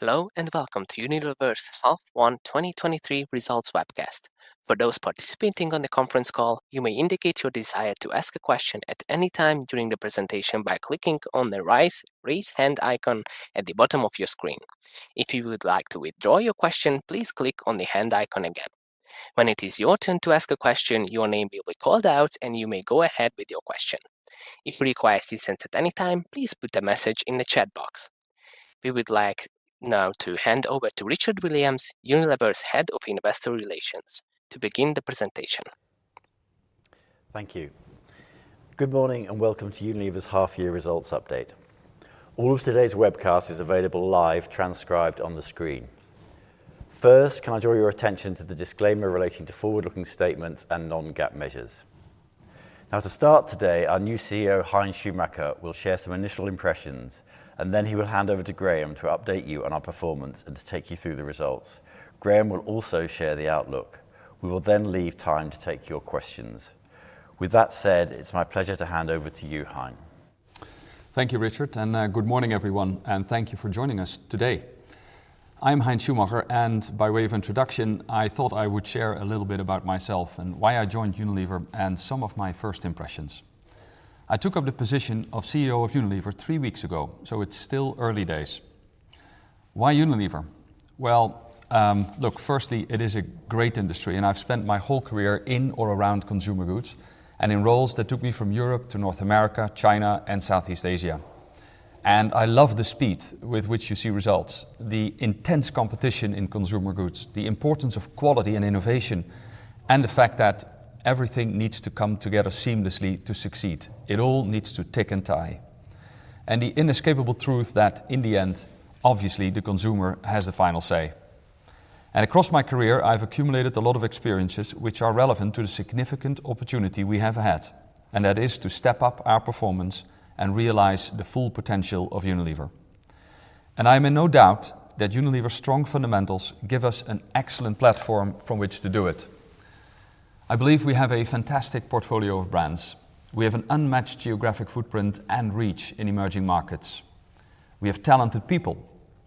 Hello, welcome to Unilever's First Half 2023 Results webcast. For those participating on the conference call, you may indicate your desire to ask a question at any time during the presentation by clicking on the Raise Hand icon at the bottom of your screen. If you would like to withdraw your question, please click on the hand icon again. When it is your turn to ask a question, your name will be called out, and you may go ahead with your question. If you require assistance at any time, please put a message in the chat box. We would like now to hand over to Richard Williams, Unilever's Head of Investor Relations, to begin the presentation. Thank you. Good morning, and welcome to Unilever's half-year results update. All of today's webcast is available live, transcribed on the screen. First, can I draw your attention to the disclaimer relating to forward-looking statements and non-GAAP measures? To start today, our new CEO, Hein Schumacher, will share some initial impressions, and then he will hand over to Graeme to update you on our performance and to take you through the results. Graeme will also share the outlook. We will leave time to take your questions. With that said, it's my pleasure to hand over to you, Hein. Thank you, Richard, good morning, everyone, and thank you for joining us today. I'm Hein Schumacher, by way of introduction, I thought I would share a little bit about myself and why I joined Unilever and some of my first impressions. I took up the position of CEO of Unilever three weeks ago, so it's still early days. Why Unilever? Well, look, firstly, it is a great industry, I've spent my whole career in or around consumer goods and in roles that took me from Europe to North America, China, and Southeast Asia. I love the speed with which you see results, the intense competition in consumer goods, the importance of quality and innovation, and the fact that everything needs to come together seamlessly to succeed. It all needs to tick and tie. The inescapable truth that in the end, obviously, the consumer has the final say. Across my career, I've accumulated a lot of experiences which are relevant to the significant opportunity we have ahead, and that is to step up our performance and realize the full potential of Unilever. I am in no doubt that Unilever's strong fundamentals give us an excellent platform from which to do it. I believe we have a fantastic portfolio of brands. We have an unmatched geographic footprint and reach in emerging markets. We have talented people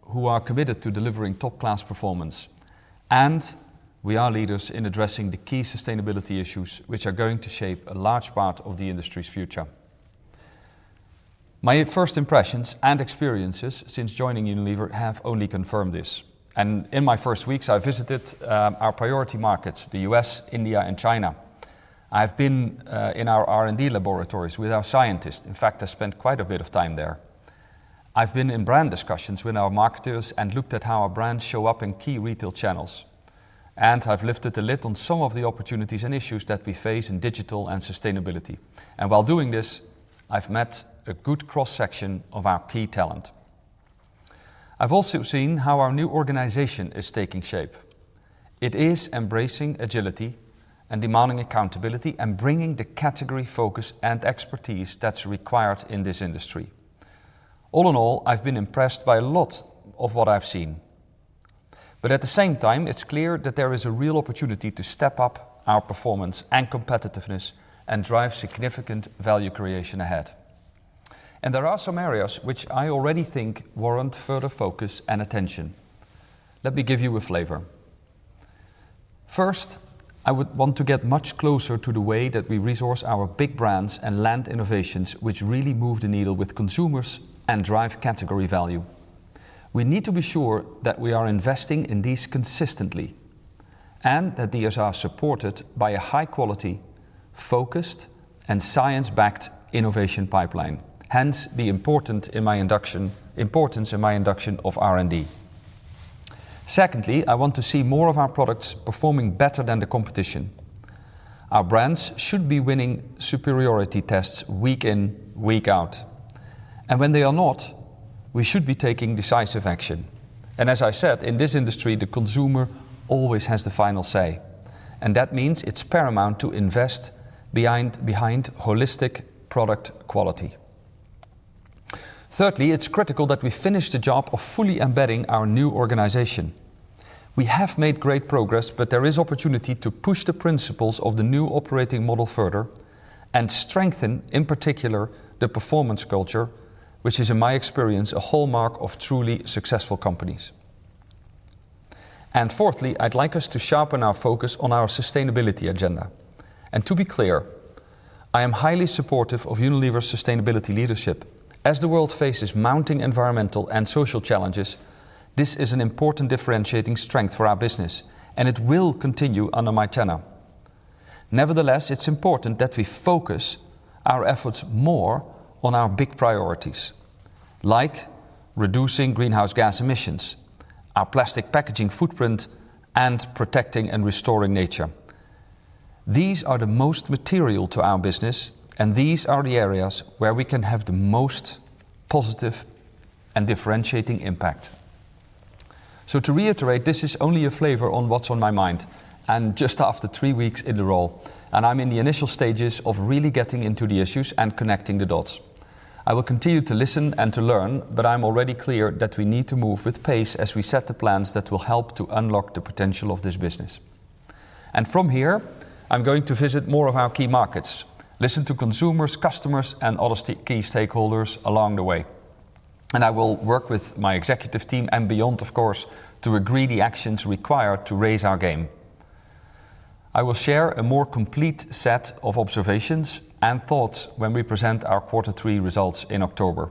who are committed to delivering top-class performance, and we are leaders in addressing the key sustainability issues, which are going to shape a large part of the industry's future. My first impressions and experiences since joining Unilever have only confirmed this. In my first weeks, I visited our priority markets, the U.S., India, and China. I've been in our R&D laboratories with our scientists. In fact, I spent quite a bit of time there. I've been in brand discussions with our marketers and looked at how our brands show up in key retail channels. I've lifted the lid on some of the opportunities and issues that we face in digital and sustainability. While doing this, I've met a good cross-section of our key talent. I've also seen how our new organization is taking shape. It is embracing agility and demanding accountability and bringing the category, focus, and expertise that's required in this industry. All in all, I've been impressed by a lot of what I've seen. At the same time, it's clear that there is a real opportunity to step up our performance and competitiveness and drive significant value creation ahead. There are some areas which I already think warrant further focus and attention. Let me give you a flavor. First, I would want to get much closer to the way that we resource our big brands and land innovations, which really move the needle with consumers and drive category value. We need to be sure that we are investing in these consistently and that these are supported by a high quality, focused, and science-backed innovation pipeline, hence, the importance in my induction of R&D. Secondly, I want to see more of our products performing better than the competition. Our brands should be winning superiority tests week in, week out, when they are not, we should be taking decisive action. As I said, in this industry, the consumer always has the final say, that means it's paramount to invest behind holistic product quality. Thirdly, it's critical that we finish the job of fully embedding our new organization. We have made great progress, there is opportunity to push the principles of the new operating model further and strengthen, in particular, the performance culture, which is, in my experience, a hallmark of truly successful companies. Fourthly, I'd like us to sharpen our focus on our sustainability agenda. To be clear, I am highly supportive of Unilever's sustainability leadership. As the world faces mounting environmental and social challenges, this is an important differentiating strength for our business, it will continue under my tenure. Nevertheless, it's important that we focus our efforts more on our big priorities, like reducing greenhouse gas emissions, our plastic packaging footprint, and protecting and restoring nature. These are the most material to our business. These are the areas where we can have the most positive and differentiating impact. To reiterate, this is only a flavor on what's on my mind and just after three weeks in the role. I'm in the initial stages of really getting into the issues and connecting the dots. I will continue to listen and to learn. I'm already clear that we need to move with pace as we set the plans that will help to unlock the potential of this business. From here, I'm going to visit more of our key markets, listen to consumers, customers, and other key stakeholders along the way. I will work with my executive team and beyond, of course, to agree the actions required to raise our game. I will share a more complete set of observations and thoughts when we present our quarter three results in October.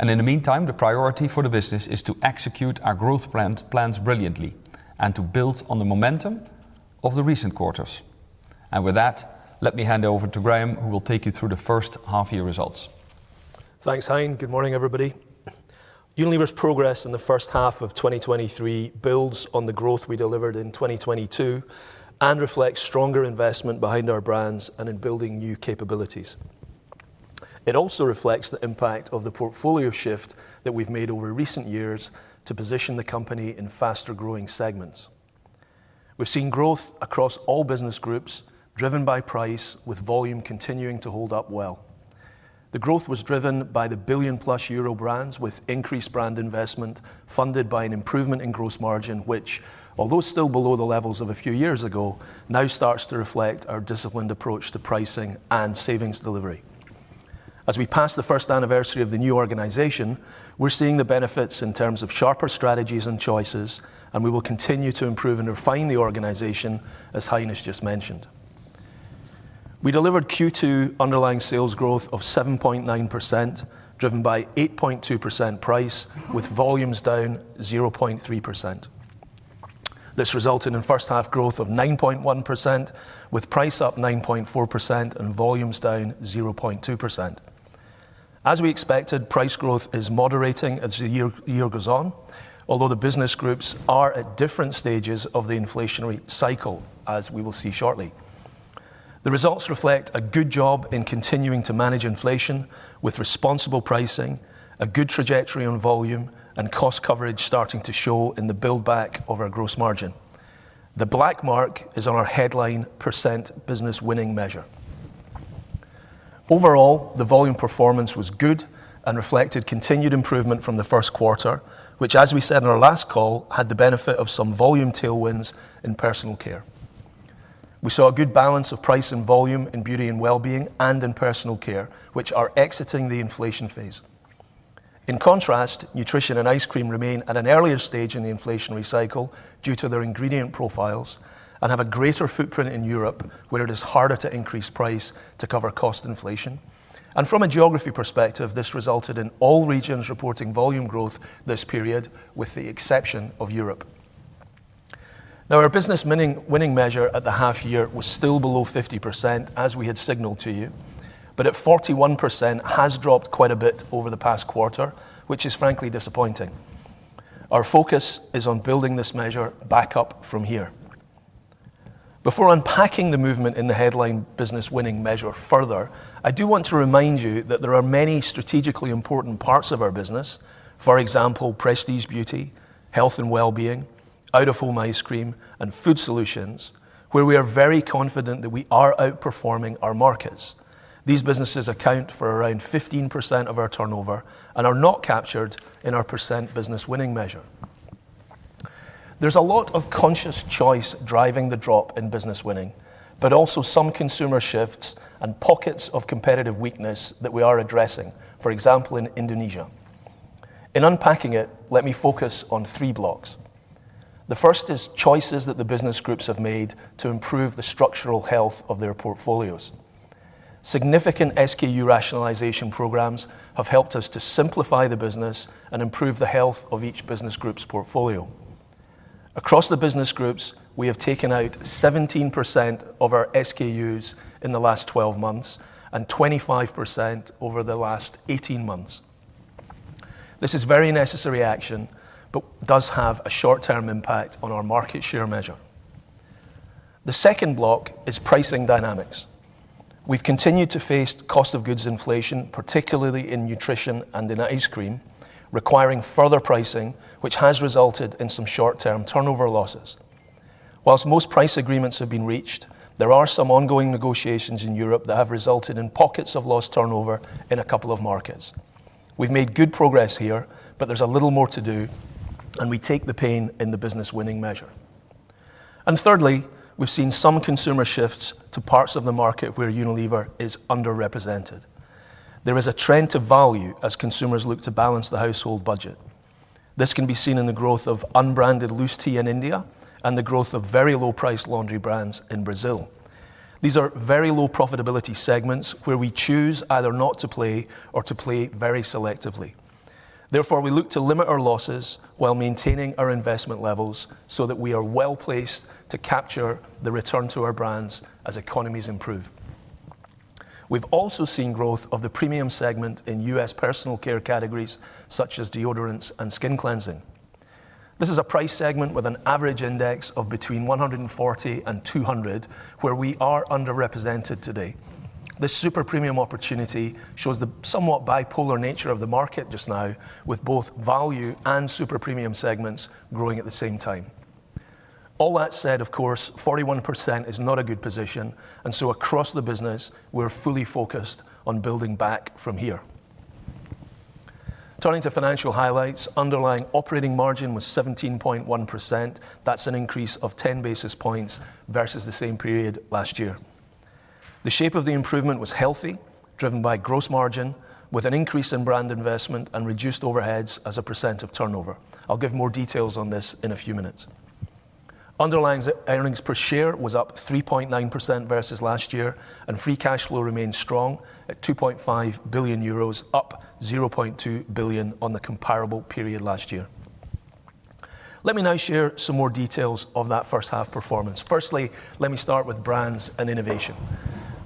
In the meantime, the priority for the business is to execute our growth brand plans brilliantly and to build on the momentum of the recent quarters. With that, let me hand over to Graeme, who will take you through the first half-year results. Thanks, Hein. Good morning, everybody. Unilever's progress in the first half of 2023 builds on the growth we delivered in 2022 and reflects stronger investment behind our brands and in building new capabilities. It also reflects the impact of the portfolio shift that we've made over recent years to position the company in faster-growing segments. We've seen growth across all business groups, driven by price, with volume continuing to hold up well. The growth was driven by the 1 billion euro-plus brands, with increased brand investment funded by an improvement in gross margin, which, although still below the levels of a few years ago, now starts to reflect our disciplined approach to pricing and savings delivery. As we pass the first anniversary of the new organization, we're seeing the benefits in terms of sharper strategies and choices, and we will continue to improve and refine the organization, as Hein just mentioned. We delivered Q2 underlying sales growth of 7.9%, driven by 8.2% price, with volumes down 0.3%. This resulted in first half growth of 9.1%, with price up 9.4% and volumes down 0.2%. As we expected, price growth is moderating as the year goes on, although the business groups are at different stages of the inflationary cycle, as we will see shortly. The results reflect a good job in continuing to manage inflation with responsible pricing, a good trajectory on volume, and cost coverage starting to show in the build back of our gross margin. The black mark is on our headline % Business Winning measure. Overall, the volume performance was good and reflected continued improvement from the first quarter, which, as we said in our last call, had the benefit of some volume tailwinds in Personal Care. We saw a good balance of price and volume in Beauty & Wellbeing and in Personal Care, which are exiting the inflation phase. In contrast, Nutrition and Ice Cream remain at an earlier stage in the inflationary cycle due to their ingredient profiles and have a greater footprint in Europe, where it is harder to increase price to cover cost inflation. From a geography perspective, this resulted in all regions reporting volume growth this period, with the exception of Europe. Our % Business Winning measure at the half year was still below 50%, as we had signaled to you, but at 41%, has dropped quite a bit over the past quarter, which is frankly disappointing. Our focus is on building this measure back up from here. Before unpacking the movement in the headline % Business Winning measure further, I do want to remind you that there are many strategically important parts of our business, for example, Prestige Beauty, Health & Wellbeing, out-of-home ice cream, and Food Solutions, where we are very confident that we are outperforming our markets. These businesses account for around 15% of our turnover and are not captured in our % Business Winning measure. There's a lot of conscious choice driving the drop in % Business Winning, but also some consumer shifts and pockets of competitive weakness that we are addressing, for example, in Indonesia. In unpacking it, let me focus on three blocks. The first is choices that the Business Groups have made to improve the structural health of their portfolios. Significant SKU rationalization programs have helped us to simplify the business and improve the health of each Business Group's portfolio. Across the Business Groups, we have taken out 17% of our SKUs in the last 12 months and 25% over the last 18 months. This is very necessary action but does have a short-term impact on our market share measure. The second block is pricing dynamics. We've continued to face cost of goods inflation, particularly in Nutrition and in Ice Cream, requiring further pricing, which has resulted in some short-term turnover losses. While most price agreements have been reached, there are some ongoing negotiations in Europe that have resulted in pockets of lost turnover in a couple of markets. We've made good progress here, but there's a little more to do. We take the pain in the Business Winning measure. Thirdly, we've seen some consumer shifts to parts of the market where Unilever is underrepresented. There is a trend to value as consumers look to balance the household budget. This can be seen in the growth of unbranded loose tea in India and the growth of very low-priced laundry brands in Brazil. These are very low profitability segments where we choose either not to play or to play very selectively. Therefore, we look to limit our losses while maintaining our investment levels so that we are well placed to capture the return to our brands as economies improve. We've also seen growth of the premium segment in U.S. Personal Care categories, such as deodorants and skin cleansing. This is a price segment with an average index of between 140 and 200, where we are underrepresented today. This super premium opportunity shows the somewhat bipolar nature of the market just now, with both value and super premium segments growing at the same time. All that said, of course, 41% is not a good position, across the business, we're fully focused on building back from here. Turning to financial highlights, underlying operating margin was 17.1%. That's an increase of 10 basis points versus the same period last year. The shape of the improvement was healthy, driven by gross margin, with an increase in brand investment and reduced overheads as a % of turnover. I'll give more details on this in a few minutes. Underlying earnings per share was up 3.9% versus last year, free cash flow remained strong at 2.5 billion euros, up 0.2 billion on the comparable period last year. Let me now share some more details of that first half performance. Firstly, let me start with brands and innovation.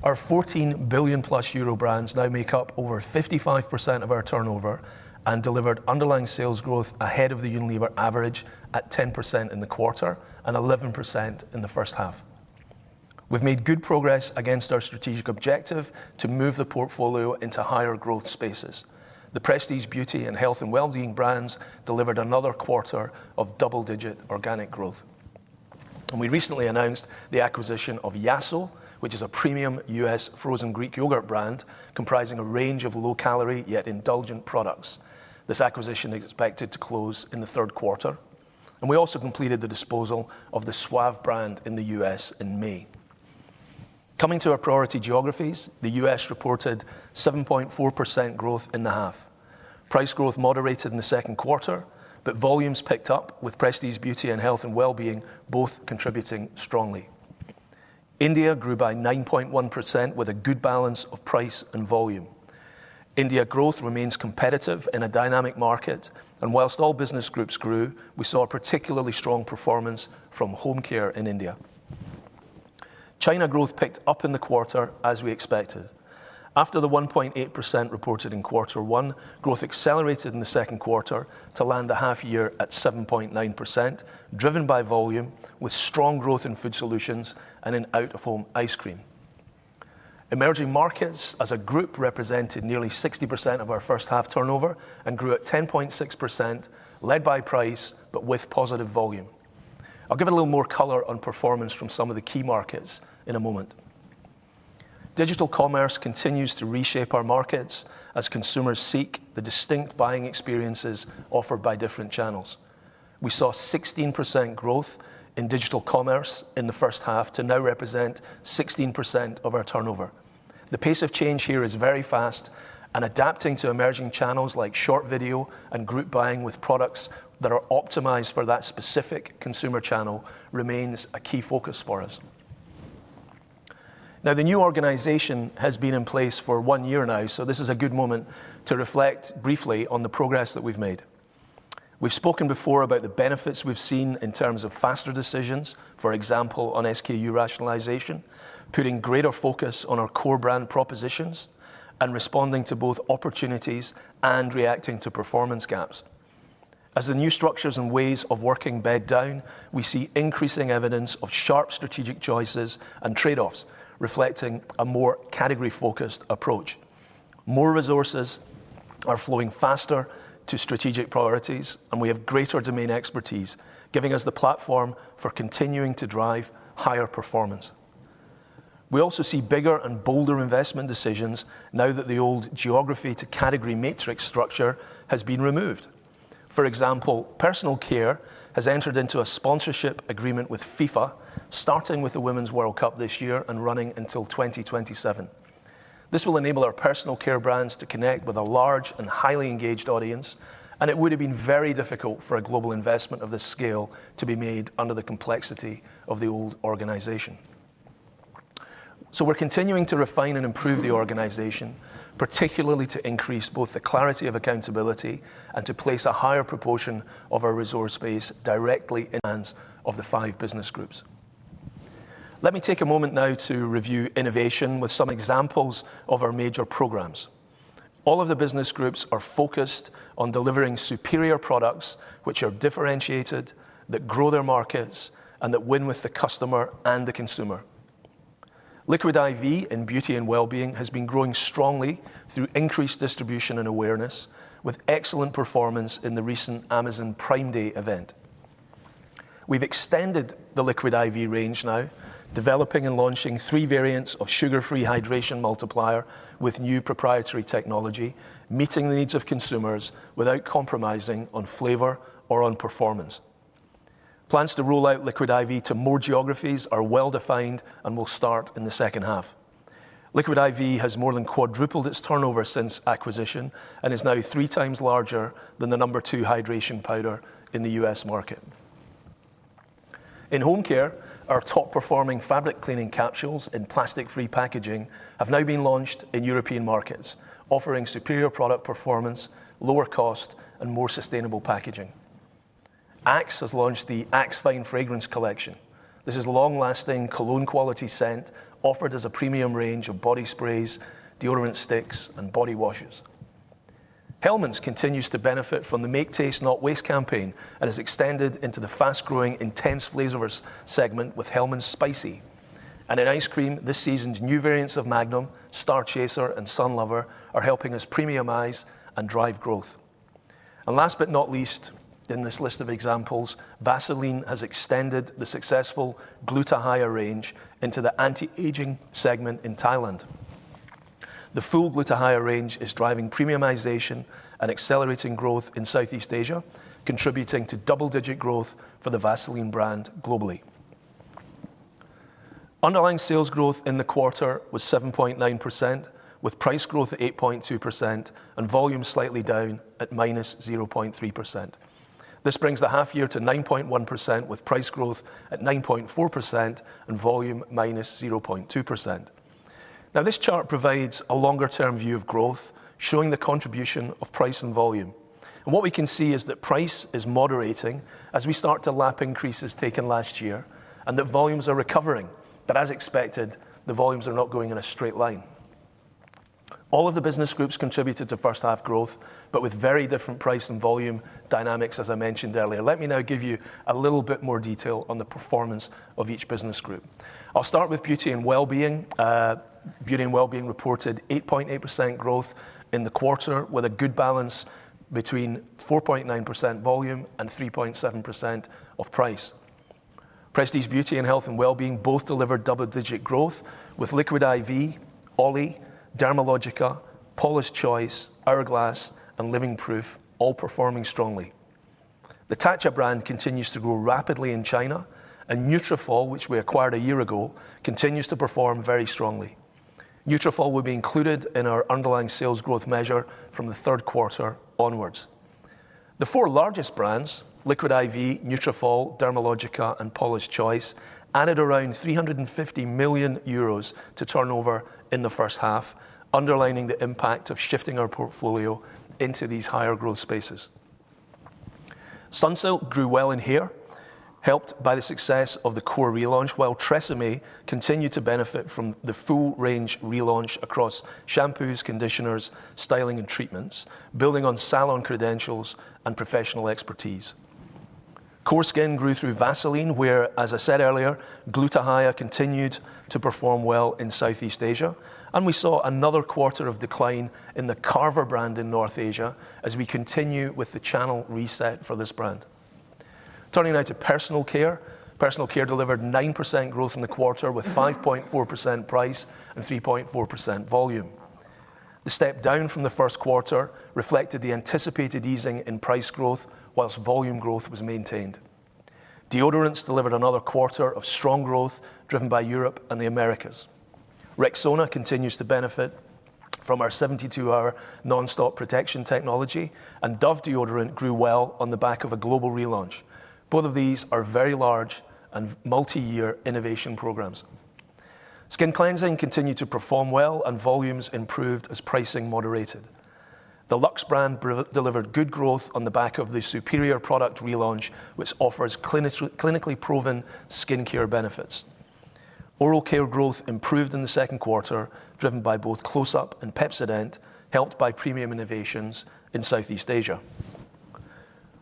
Our 14 billion euro-plus brands now make up over 55% of our turnover and delivered underlying sales growth ahead of the Unilever average at 10% in the quarter and 11% in the first half. We've made good progress against our strategic objective to move the portfolio into higher growth spaces. The Prestige Beauty and Health & Wellbeing brands delivered another quarter of double-digit organic growth. We recently announced the acquisition of Yasso, which is a premium US frozen Greek yogurt brand, comprising a range of low-calorie, yet indulgent products. This acquisition is expected to close in the third quarter, and we also completed the disposal of the Suave brand in the U.S. in May. Coming to our priority geographies, the US reported 7.4% growth in the half. Price growth moderated in the second quarter, but volumes picked up, with Prestige Beauty and Health & Wellbeing both contributing strongly. India grew by 9.1%, with a good balance of price and volume. India growth remains competitive in a dynamic market, and whilst all business groups grew, we saw a particularly strong performance from Home Care in India. China growth picked up in the quarter, as we expected. After the 1.8% reported in quarter one, growth accelerated in the second quarter to land the half year at 7.9%, driven by volume, with strong growth in Food Solutions and in out-of-home ice cream. Emerging markets as a group represented nearly 60% of our first half turnover and grew at 10.6%, led by price, but with positive volume. I'll give a little more color on performance from some of the key markets in a moment. Digital commerce continues to reshape our markets as consumers seek the distinct buying experiences offered by different channels. We saw 16% growth in digital commerce in the first half to now represent 16% of our turnover. The pace of change here is very fast, adapting to emerging channels like short video and group buying with products that are optimized for that specific consumer channel remains a key focus for us. The new organization has been in place for one year now, so this is a good moment to reflect briefly on the progress that we've made. We've spoken before about the benefits we've seen in terms of faster decisions, for example, on SKU rationalization, putting greater focus on our core brand propositions, and responding to both opportunities and reacting to performance gaps. As the new structures and ways of working bed down, we see increasing evidence of sharp strategic choices and trade-offs, reflecting a more category-focused approach. More resources are flowing faster to strategic priorities, and we have greater domain expertise, giving us the platform for continuing to drive higher performance. We also see bigger and bolder investment decisions now that the old geography to category matrix structure has been removed. For example, Personal Care has entered into a sponsorship agreement with FIFA, starting with the Women's World Cup this year and running until 2027. This will enable our personal care brands to connect with a large and highly engaged audience, and it would have been very difficult for a global investment of this scale to be made under the complexity of the old organization. We're continuing to refine and improve the organization, particularly to increase both the clarity of accountability and to place a higher proportion of our resource base directly in hands of the five business groups. Let me take a moment now to review innovation with some examples of our major programs. All of the business groups are focused on delivering superior products, which are differentiated, that grow their markets, and that win with the customer and the consumer. Liquid I.V. in Beauty & Wellbeing has been growing strongly through increased distribution and awareness, with excellent performance in the recent Amazon Prime Day event. We've extended the Liquid I.V. range now, developing and launching three variants of sugar-free Hydration Multiplier with new proprietary technology, meeting the needs of consumers without compromising on flavor or on performance. Plans to roll out Liquid I.V. to more geographies are well defined and will start in the second half. Liquid I.V. has more than quadrupled its turnover since acquisition and is now three times larger than the number two hydration powder in the U.S. market. In Home Care, our top-performing fabric cleaning capsules in plastic-free packaging have now been launched in European markets, offering superior product performance, lower cost, and more sustainable packaging. Axe has launched the Axe Fine Fragrance Collection. This is long-lasting, cologne quality scent offered as a premium range of body sprays, deodorant sticks, and body washes. Hellmann's continues to benefit from the Make Taste, Not Waste campaign and has extended into the fast-growing intense flavor segment with Hellmann's Spicy. In ice cream, this season's new variants of Magnum, Starchaser and Sunlover, are helping us premiumize and drive growth. Last but not least, in this list of examples, Vaseline has extended the successful Gluta-Hya range into the anti-aging segment in Thailand. The full Gluta-Hya range is driving premiumization and accelerating growth in Southeast Asia, contributing to double-digit growth for the Vaseline brand globally. Underlying sales growth in the quarter was 7.9%, with price growth at 8.2% and volume slightly down at -0.3%. This brings the half year to 9.1%, with price growth at 9.4% and volume -0.2%. This chart provides a longer-term view of growth, showing the contribution of price and volume. What we can see is that price is moderating as we start to lap increases taken last year, and that volumes are recovering. As expected, the volumes are not going in a straight line. All of the business groups contributed to first half growth, but with very different price and volume dynamics, as I mentioned earlier. Let me now give you a little bit more detail on the performance of each business group. I'll start with Beauty & Wellbeing. Beauty & Wellbeing reported 8.8% growth in the quarter, with a good balance between 4.9% volume and 3.7% of price. Prestige Beauty and Health & Wellbeing both delivered double-digit growth, with Liquid I.V., OLLY, Dermalogica, Paula's Choice, Hourglass, and Living Proof all performing strongly. The Tatcha brand continues to grow rapidly in China. Nutrafol, which we acquired a year ago, continues to perform very strongly. Nutrafol will be included in our underlying sales growth measure from the third quarter onwards. The four largest brands, Liquid I.V., Nutrafol, Dermalogica, and Paula's Choice, added around 350 million euros to turnover in the first half, underlining the impact of shifting our portfolio into these higher growth spaces. Sunsilk grew well in here, helped by the success of the core relaunch, while TRESemmé continued to benefit from the full range relaunch across shampoos, conditioners, styling, and treatments, building on salon credentials and professional expertise. Core skin grew through Vaseline, where, as I said earlier, Gluta-Hya continued to perform well in Southeast Asia, and we saw another quarter of decline in the Carver brand in North Asia as we continue with the channel reset for this brand. Turning now to Personal Care. Personal Care delivered 9% growth in the quarter, with 5.4% price and 3.4% volume. The step down from the first quarter reflected the anticipated easing in price growth, whilst volume growth was maintained. Deodorants delivered another quarter of strong growth, driven by Europe and the Americas. Rexona continues to benefit from our 72-hour nonstop protection technology. Dove deodorant grew well on the back of a global relaunch. Both of these are very large and multi-year innovation programs. Skin cleansing continued to perform well. Volumes improved as pricing moderated. The Lux brand delivered good growth on the back of the superior product relaunch, which offers clinically proven skincare benefits. Oral care growth improved in the second quarter, driven by both Closeup and Pepsodent, helped by premium innovations in Southeast Asia.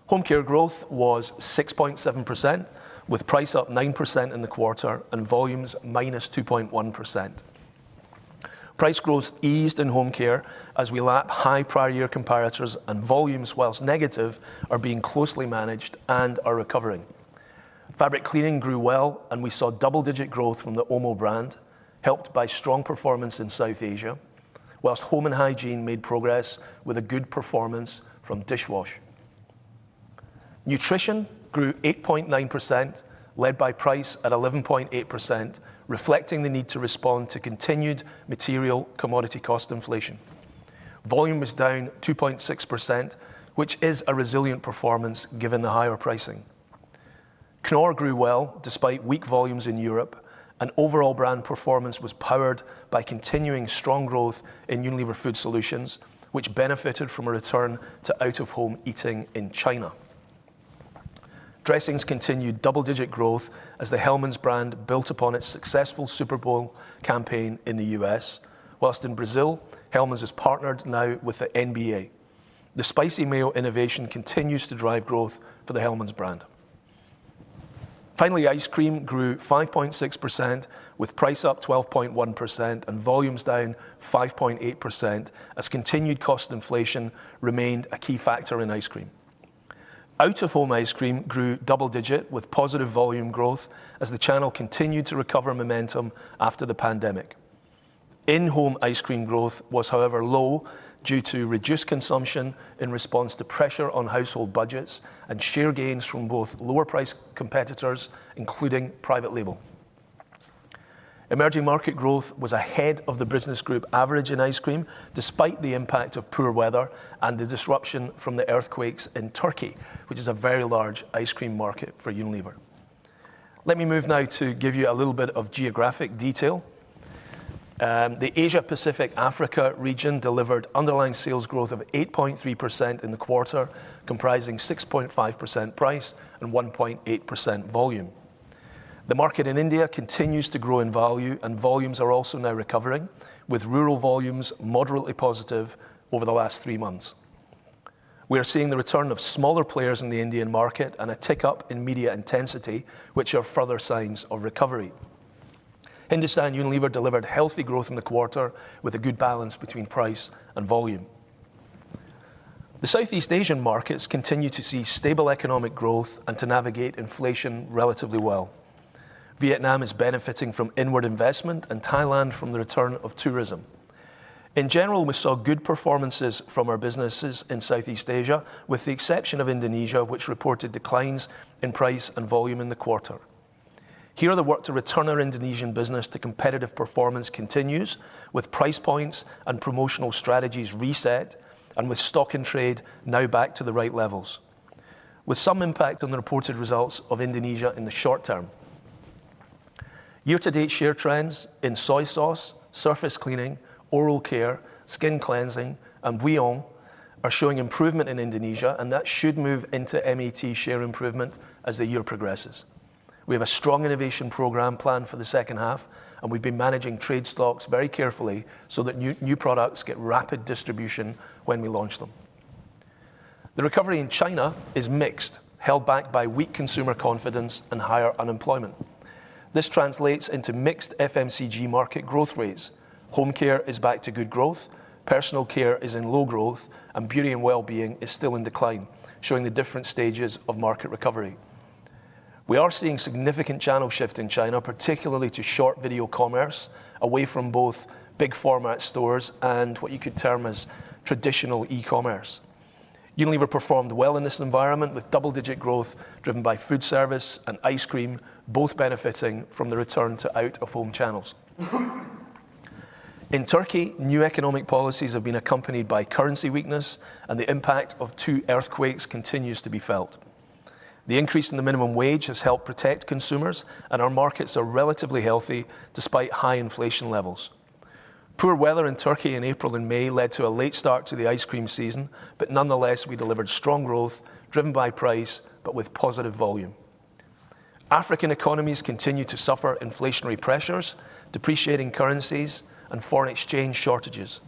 Home Care growth was 6.7%, with price up 9% in the quarter and volumes -2.1%. Price growth eased in home care as we lap high prior year comparators. Volumes, whilst negative, are being closely managed and are recovering. Fabric cleaning grew well. We saw double-digit growth from the OMO brand, helped by strong performance in South Asia, whilst home and hygiene made progress with a good performance from dishwash. Nutrition grew 8.9%, led by price at 11.8%, reflecting the need to respond to continued material commodity cost inflation. Volume was down 2.6%, which is a resilient performance given the higher pricing. Knorr grew well despite weak volumes in Europe. Overall brand performance was powered by continuing strong growth in Unilever Food Solutions, which benefited from a return to out-of-home eating in China. Dressings continued double-digit growth as the Hellmann's brand built upon its successful Super Bowl campaign in the U.S., whilst in Brazil, Hellmann's has partnered now with the NBA. The spicy mayo innovation continues to drive growth for the Hellmann's brand. Finally, Ice Cream grew 5.6%, with price up 12.1% and volumes down 5.8%, as continued cost inflation remained a key factor in Ice Cream. Out-of-home ice cream grew double-digit, with positive volume growth as the channel continued to recover momentum after the pandemic. In-home ice cream growth was, however, low due to reduced consumption in response to pressure on household budgets and share gains from both lower price competitors, including private label. Emerging market growth was ahead of the business group average in Ice Cream, despite the impact of poor weather and the disruption from the earthquakes in Turkey, which is a very large Ice Cream market for Unilever. Let me move now to give you a little bit of geographic detail. The Asia Pacific Africa region delivered underlying sales growth of 8.3% in the quarter, comprising 6.5% price and 1.8% volume. The market in India continues to grow in value, volumes are also now recovering, with rural volumes moderately positive over the last three months. We are seeing the return of smaller players in the Indian market and a tick-up in media intensity, which are further signs of recovery. Hindustan Unilever delivered healthy growth in the quarter with a good balance between price and volume. The Southeast Asian markets continue to see stable economic growth and to navigate inflation relatively well. Vietnam is benefiting from inward investment, Thailand from the return of tourism. In general, we saw good performances from our businesses in Southeast Asia, with the exception of Indonesia, which reported declines in price and volume in the quarter. Here, the work to return our Indonesian business to competitive performance continues, with price points and promotional strategies reset, and with stock and trade now back to the right levels, with some impact on the reported results of Indonesia in the short term. That should move into MAT share improvement as the year progresses. We have a strong innovation program planned for the second half. We've been managing trade stocks very carefully so that new products get rapid distribution when we launch them. The recovery in China is mixed, held back by weak consumer confidence and higher unemployment. This translates into mixed FMCG market growth rates. Home Care is back to good growth, Personal Care is in low growth, and Beauty & Wellbeing is still in decline, showing the different stages of market recovery. We are seeing significant channel shift in China, particularly to short video commerce, away from both big format stores and what you could term as traditional e-commerce. Unilever performed well in this environment, with double-digit growth driven by foodservice and Ice Cream, both benefiting from the return to out-of-home channels. In Turkey, new economic policies have been accompanied by currency weakness, and the impact of 2 earthquakes continues to be felt. The increase in the minimum wage has helped protect consumers, and our markets are relatively healthy despite high inflation levels. Poor weather in Turkey in April and May led to a late start to the Ice Cream season, but nonetheless, we delivered strong growth, driven by price, but with positive volume. African economies continue to suffer inflationary pressures, depreciating currencies, and foreign exchange shortages.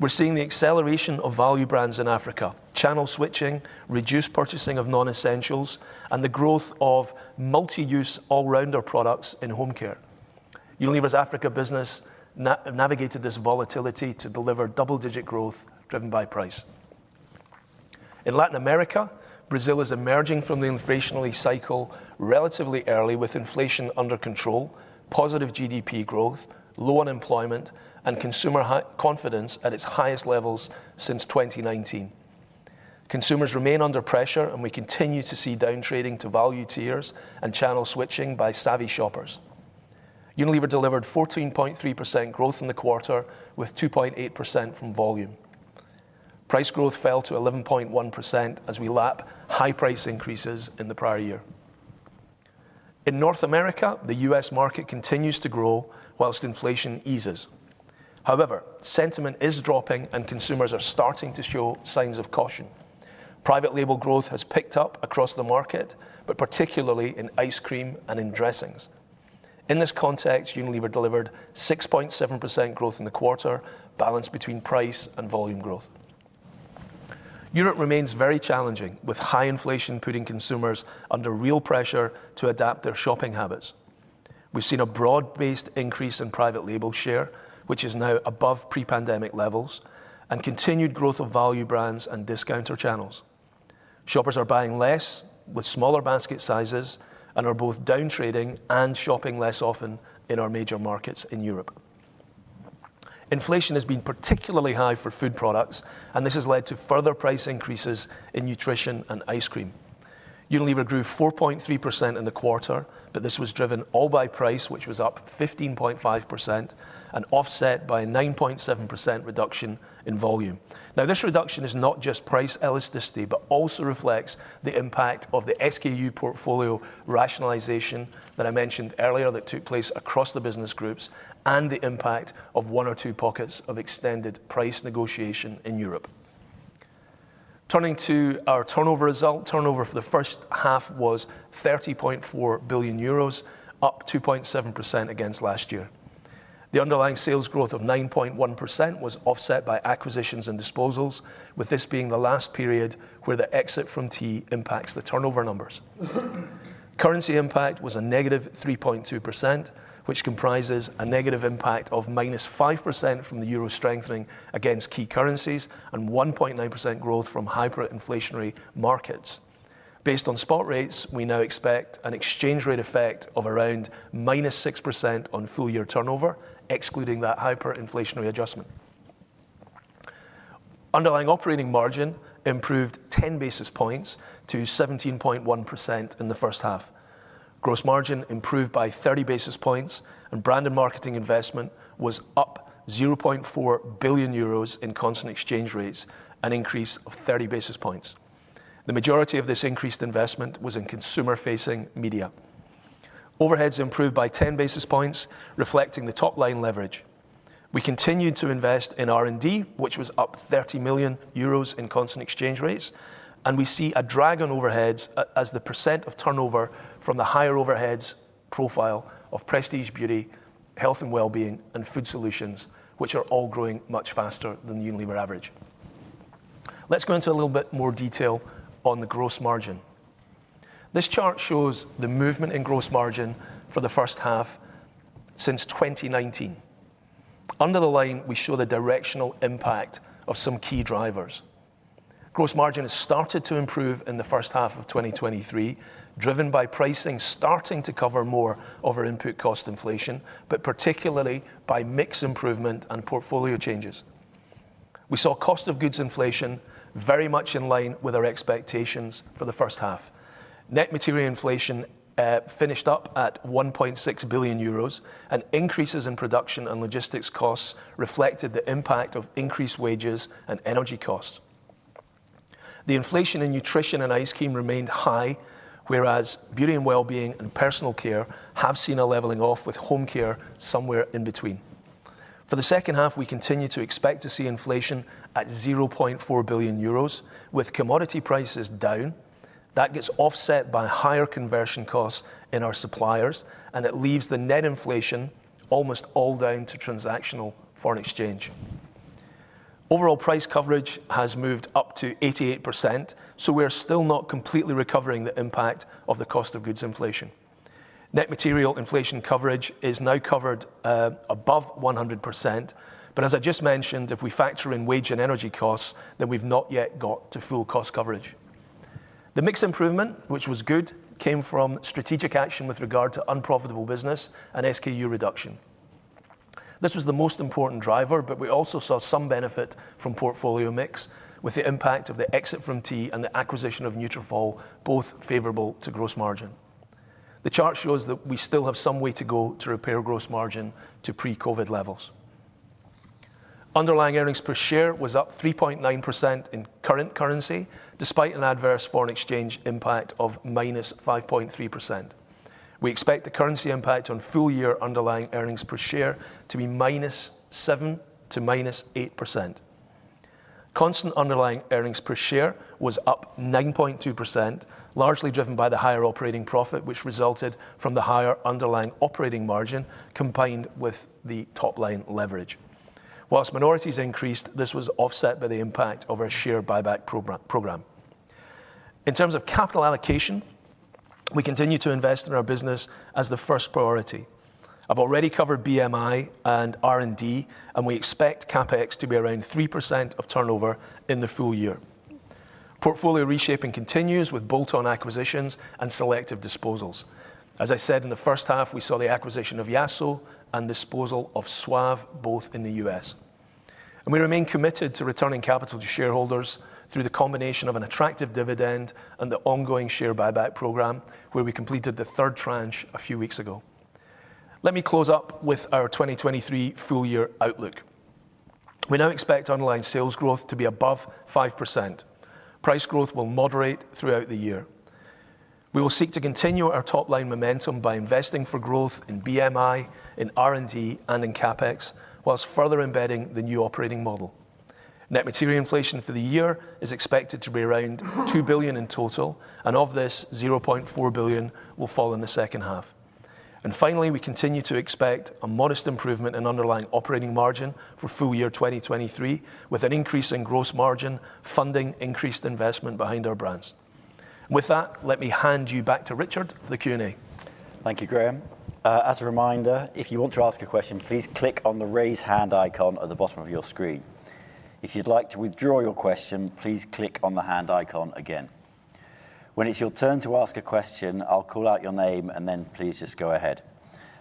We're seeing the acceleration of value brands in Africa, channel switching, reduced purchasing of non-essentials, and the growth of multi-use all-rounder products in Home Care. Unilever's Africa business navigated this volatility to deliver double-digit growth driven by price. In Latin America, Brazil is emerging from the inflationary cycle relatively early, with inflation under control, positive GDP growth, low unemployment, and consumer confidence at its highest levels since 2019. Consumers remain under pressure, and we continue to see downtrading to value tiers and channel switching by savvy shoppers. Unilever delivered 14.3% growth in the quarter, with 2.8% from volume. Price growth fell to 11.1% as we lap high price increases in the prior year. In North America, the U.S. market continues to grow whilst inflation eases. Sentiment is dropping, and consumers are starting to show signs of caution. Private label growth has picked up across the market, but particularly in ice cream and in dressings. In this context, Unilever delivered 6.7% growth in the quarter, balanced between price and volume growth. Europe remains very challenging, with high inflation putting consumers under real pressure to adapt their shopping habits. We've seen a broad-based increase in private label share, which is now above pre-pandemic levels, and continued growth of value brands and discounter channels. Shoppers are buying less with smaller basket sizes and are both downtrading and shopping less often in our major markets in Europe. Inflation has been particularly high for food products, and this has led to further price increases in Nutrition and Ice Cream. Unilever grew 4.3% in the quarter, but this was driven all by price, which was up 15.5% and offset by a 9.7% reduction in volume. This reduction is not just price elasticity, but also reflects the impact of the SKU portfolio rationalization that I mentioned earlier that took place across the Business Groups and the impact of one or two pockets of extended price negotiation in Europe. Turning to our turnover result, turnover for the first half was 30.4 billion euros, up 2.7% against last year. The underlying sales growth of 9.1% was offset by acquisitions and disposals, with this being the last period where the exit from tea impacts the turnover numbers. Currency impact was a negative 3.2%, which comprises a negative impact of -5% from the euro strengthening against key currencies and 1.9% growth from hyperinflationary markets. Based on spot rates, we now expect an exchange rate effect of around -6% on full year turnover, excluding that hyperinflationary adjustment. Underlying operating margin improved 10 basis points to 17.1% in the first half. Gross margin improved by 30 basis points. Brand and marketing investment was up 0.4 billion euros in constant exchange rates, an increase of 30 basis points. The majority of this increased investment was in consumer-facing media. Overheads improved by 10 basis points, reflecting the top-line leverage. We continued to invest in R&D, which was up 30 million euros in constant exchange rates. We see a drag on overheads as the % of turnover from the higher overheads profile of Prestige Beauty, Health & Wellbeing, and Unilever Food Solutions, which are all growing much faster than the Unilever average. Let's go into a little bit more detail on the gross margin. This chart shows the movement in gross margin for the first half since 2019. Under the line, we show the directional impact of some key drivers. Gross margin has started to improve in the first half of 2023, driven by pricing starting to cover more of our input cost inflation, particularly by mix improvement and portfolio changes. We saw cost of goods inflation very much in line with our expectations for the first half. Net Material Inflation finished up at 1.6 billion euros. Increases in production and logistics costs reflected the impact of increased wages and energy costs. The inflation in Nutrition and Ice Cream remained high, whereas Beauty & Wellbeing and Personal Care have seen a leveling off, with Home Care somewhere in between. For the second half, we continue to expect to see inflation at 0.4 billion euros, with commodity prices down. That gets offset by higher conversion costs in our suppliers. It leaves the net inflation almost all down to transactional foreign exchange. Overall price coverage has moved up to 88%. We are still not completely recovering the impact of the cost of goods inflation. Net Material Inflation coverage is now covered above 100%. As I just mentioned, if we factor in wage and energy costs, we've not yet got to full cost coverage. The mix improvement, which was good, came from strategic action with regard to unprofitable business and SKU reduction. We also saw some benefit from portfolio mix, with the impact of the exit from tea and the acquisition of Nutrafol, both favorable to gross margin. The chart shows that we still have some way to go to repair gross margin to pre-COVID levels. Underlying earnings per share was up 3.9% in current currency, despite an adverse foreign exchange impact of -5.3%. We expect the currency impact on full year underlying earnings per share to be -7% to -8%. Constant underlying earnings per share was up 9.2%, largely driven by the higher operating profit, which resulted from the higher underlying operating margin, combined with the top-line leverage. Whilst minorities increased, this was offset by the impact of our share buyback program. In terms of capital allocation, we continue to invest in our business as the first priority. I've already covered BMI and R&D, we expect CapEx to be around 3% of turnover in the full year. Portfolio reshaping continues with bolt-on acquisitions and selective disposals. As I said, in the first half, we saw the acquisition of Yasso and disposal of Suave, both in the U.S. We remain committed to returning capital to shareholders through the combination of an attractive dividend and the ongoing share buyback program, where we completed the third tranche a few weeks ago. Let me close up with our 2023 full year outlook. We now expect underlying sales growth to be above 5%. Price growth will moderate throughout the year. We will seek to continue our top-line momentum by investing for growth in BMI, in R&D, and in CapEx, while further embedding the new operating model. Net Material Inflation for the year is expected to be around 2 billion in total. Of this, 0.4 billion will fall in the second half. Finally, we continue to expect a modest improvement in underlying operating margin for full year 2023, with an increase in gross margin funding increased investment behind our brands. With that, let me hand you back to Richard for the Q&A. Thank you, Graeme. As a reminder, if you want to ask a question, please click on the Raise Hand icon at the bottom of your screen. If you'd like to withdraw your question, please click on the hand icon again. When it's your turn to ask a question, I'll call out your name, and then please just go ahead.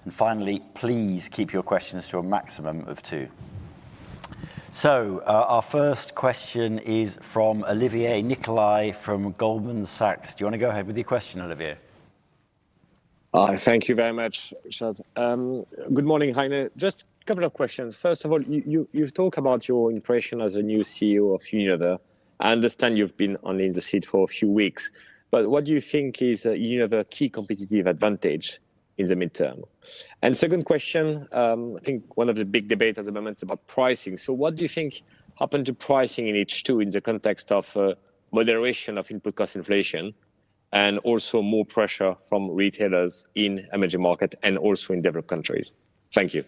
Finally, please keep your questions to a maximum of two. Our first question is from Olivier Nicolai, from Goldman Sachs. Do you want to go ahead with your question, Olivier? Thank you very much, Richard. Good morning, Hein. Just a couple of questions. First of all, you've talked about your impression as a new CEO of Unilever. I understand you've been only in the seat for a few weeks, but what do you think is Unilever key competitive advantage in the midterm? Second question, I think one of the big debate at the moment is about pricing. What do you think happened to pricing in H2, in the context of moderation of input cost inflation, and also more pressure from retailers in emerging market and also in developed countries? Thank you.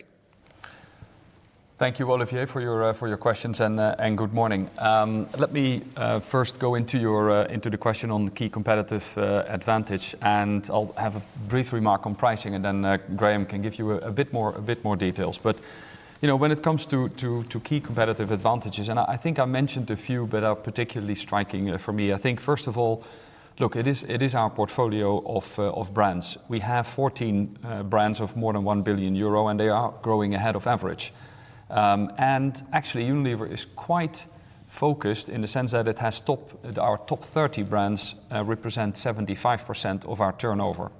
Thank you, Olivier, for your questions. Good morning. Let me first go into your into the question on key competitive advantage, and I'll have a brief remark on pricing, and then Graeme can give you a bit more details. You know, when it comes to key competitive advantages, and I think I mentioned a few that are particularly striking for me. I think, first of all, look, it is our portfolio of brands. We have 14 brands of more than 1 billion euro, and they are growing ahead of average. Actually, Unilever is quite focused in the sense that it has our top 30 brands, represent 75% of our turnover.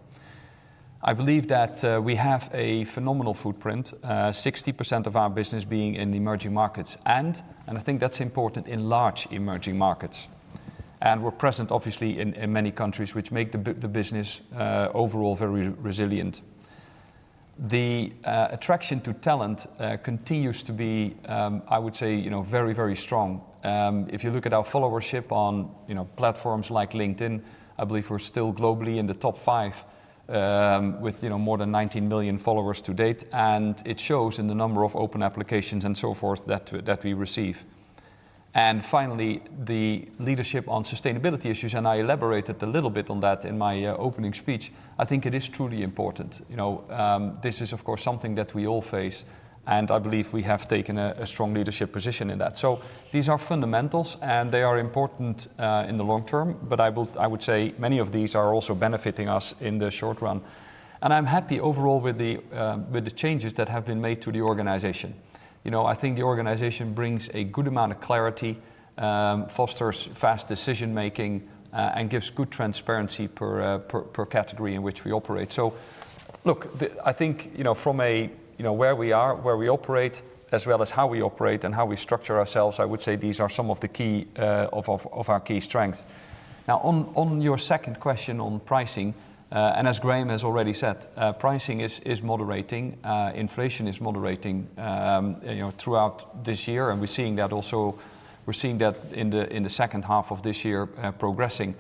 I believe that we have a phenomenal footprint, 60% of our business being in emerging markets, and I think that's important in large emerging markets. We're present, obviously, in many countries, which make the business, overall very resilient. The attraction to talent continues to be, I would say, you know, very strong. If you look at our followership on, you know, platforms like LinkedIn, I believe we're still globally in the top five, with, you know, more than 19 million followers to date, and it shows in the number of open applications and so forth that we receive. Finally, the leadership on sustainability issues, I elaborated a little bit on that in my opening speech. I think it is truly important. You know, this is, of course, something that we all face, and I believe we have taken a strong leadership position in that. These are fundamentals, and they are important in the long term, but I would say many of these are also benefiting us in the short run. I'm happy overall with the changes that have been made to the organization. You know, I think the organization brings a good amount of clarity, fosters fast decision-making, and gives good transparency per category in which we operate. Look, I think, you know, from where we are, where we operate, as well as how we operate and how we structure ourselves, I would say these are some of the key of our key strengths. Now, on your second question on pricing, and as Graeme has already said, pricing is moderating, inflation is moderating, you know, throughout this year, and we're seeing that also. We're seeing that in the second half of this year, progressing.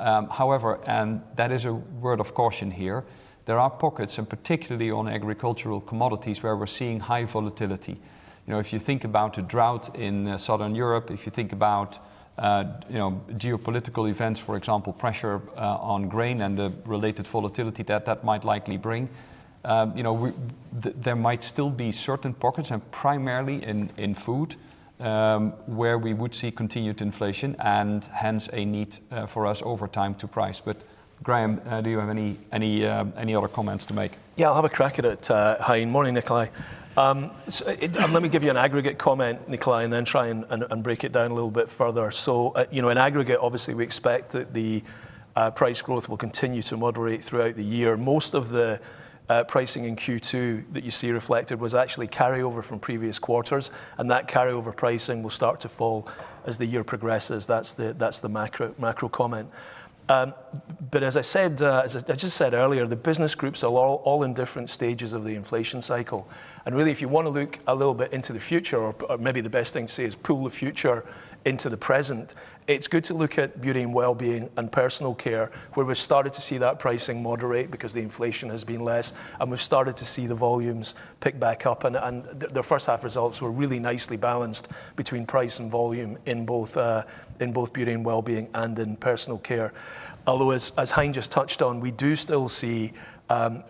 However, and that is a word of caution here, there are pockets, and particularly on agricultural commodities, where we're seeing high volatility. You know, if you think about the drought in Southern Europe, if you think about, you know, geopolitical events, for example, pressure on grain and the related volatility that that might likely bring, you know, there might still be certain pockets, and primarily in food, where we would see continued inflation, and hence a need for us over time to price. Graeme, do you have any other comments to make? Yeah, I'll have a crack at it, Hein. Morning, Nicolai. Let me give you an aggregate comment, Nicolai, and then try and break it down a little bit further. You know, in aggregate, obviously, we expect that the price growth will continue to moderate throughout the year. Most of the pricing in Q2 that you see reflected was actually carryover from previous quarters, and that carryover pricing will start to fall as the year progresses. That's the macro comment. As I said, as I just said earlier, the business groups are all in different stages of the inflation cycle. Really, if you want to look a little bit into the future, or maybe the best thing to say is pull the future into the present, it's good to look at Beauty & Wellbeing and Personal Care, where we've started to see that pricing moderate because the inflation has been less, and we've started to see the volumes pick back up. The first half results were really nicely balanced between price and volume in both Beauty & Wellbeing and in Personal Care. As Hein just touched on, we do still see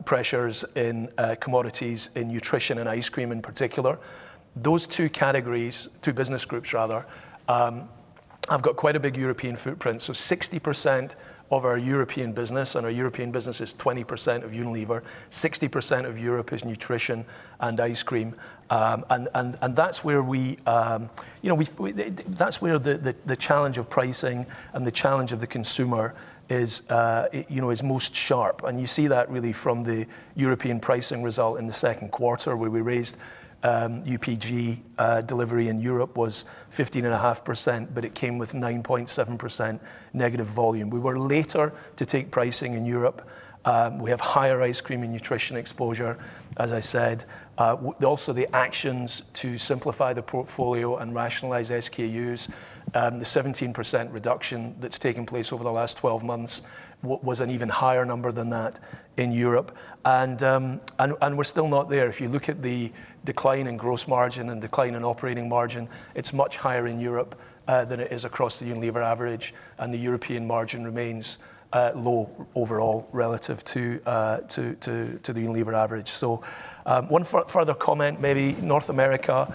pressures in commodities, in Nutrition and Ice Cream in particular. Those two categories, two business groups rather, have got quite a big European footprint. 60% of our European business, and our European business is 20% of Unilever, 60% of Europe is Nutrition and Ice Cream. That's where we, you know, we, that's where the challenge of pricing and the challenge of the consumer is, you know, is most sharp. You see that really from the European pricing result in the second quarter, where we raised UPG. Delivery in Europe was 15.5%, but it came with 9.7% negative volume. We were later to take pricing in Europe. We have higher Ice Cream and Nutrition exposure, as I said. Also, the actions to simplify the portfolio and rationalize SKUs, the 17% reduction that's taken place over the last 12 months, was an even higher number than that in Europe. We're still not there. If you look at the decline in gross margin and decline in operating margin, it's much higher in Europe than it is across the Unilever average, the European margin remains low overall relative to the Unilever average. One further comment, maybe North America.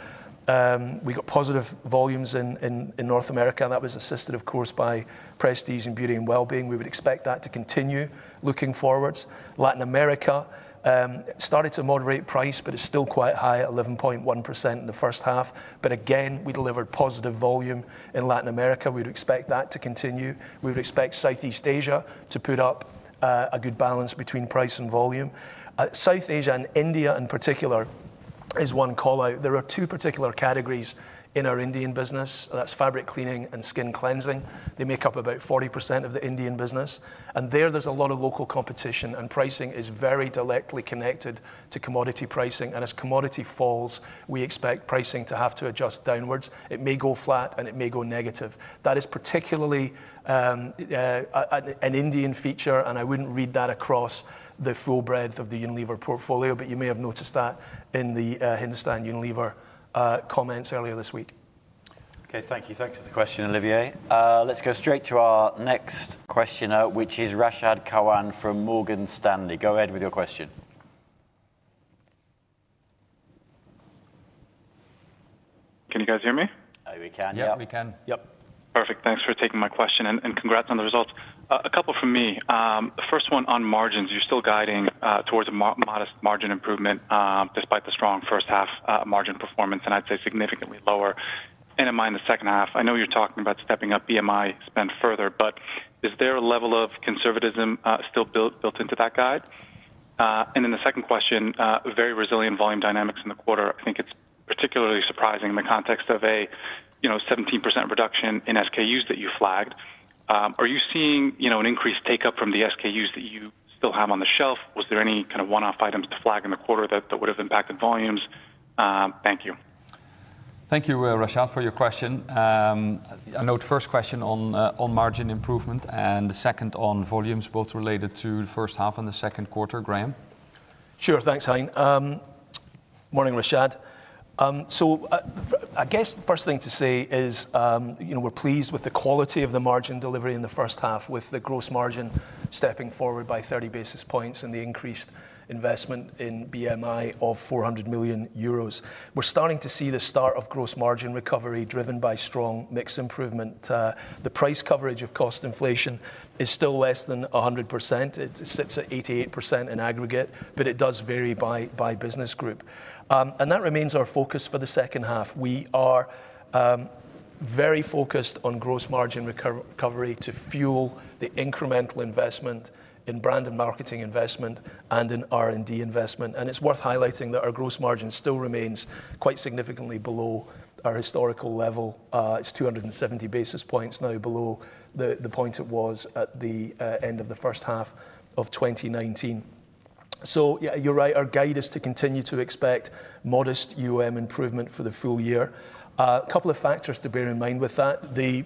We got positive volumes in North America, and that was assisted, of course, by Prestige in Beauty & Wellbeing. We would expect that to continue looking forwards. Latin America started to moderate price, but it's still quite high at 11.1% in the first half. Again, we delivered positive volume in Latin America. We'd expect that to continue. We'd expect Southeast Asia to put up a good balance between price and volume. South Asia and India in particular is one call-out. There are two particular categories in our Indian business, that's fabric cleaning and skin cleansing. They make up about 40% of the Indian business, and there's a lot of local competition, and pricing is very directly connected to commodity pricing. As commodity falls, we expect pricing to have to adjust downwards. It may go flat, and it may go negative. That is particularly an Indian feature, and I wouldn't read that across the full breadth of the Unilever portfolio, but you may have noticed that in the Hindustan Unilever comments earlier this week. Okay, thank you. Thank you for the question, Olivier. Let's go straight to our next questioner, which is Rashad Kawan from Morgan Stanley. Go ahead with your question. Can you guys hear me? We can, yeah. Yep, we can. Yep. Perfect. Thanks for taking my question, and congrats on the results. A couple from me. The first one on margins. You're still guiding towards a modest margin improvement, despite the strong first half margin performance, and I'd say significantly lower end of mind in the second half. I know you're talking about stepping up NMI spend further, is there a level of conservatism still built into that guide? Then the second question, very resilient volume dynamics in the quarter. I think it's particularly surprising in the context of a, you know, 17% reduction in SKUs that you flagged. Are you seeing, you know, an increased take-up from the SKUs that you still have on the shelf? Was there any kind of one-off items to flag in the quarter that would have impacted volumes? Thank you. Thank you, Rashad, for your question. I note first question on margin improvement, and the second on volumes, both related to the first half and the second quarter. Graeme? Sure. Thanks, Hein. morning, Rashad. I guess the first thing to say is, you know, we're pleased with the quality of the margin delivery in the first half, with the gross margin stepping forward by 30 basis points and the increased investment in BMI of 400 million euros. We're starting to see the start of gross margin recovery, driven by strong mix improvement. The price coverage of cost inflation is still less than 100%. It sits at 88% in aggregate, but it does vary by business group. That remains our focus for the second half. We are very focused on gross margin recovery to fuel the incremental investment in brand and marketing investment and in R&D investment. It's worth highlighting that our gross margin still remains quite significantly below our historical level. It's 270 basis points now below the point it was at the end of the first half of 2019. Yeah, you're right, our guide is to continue to expect modest UOM improvement for the full year. A couple of factors to bear in mind with that. The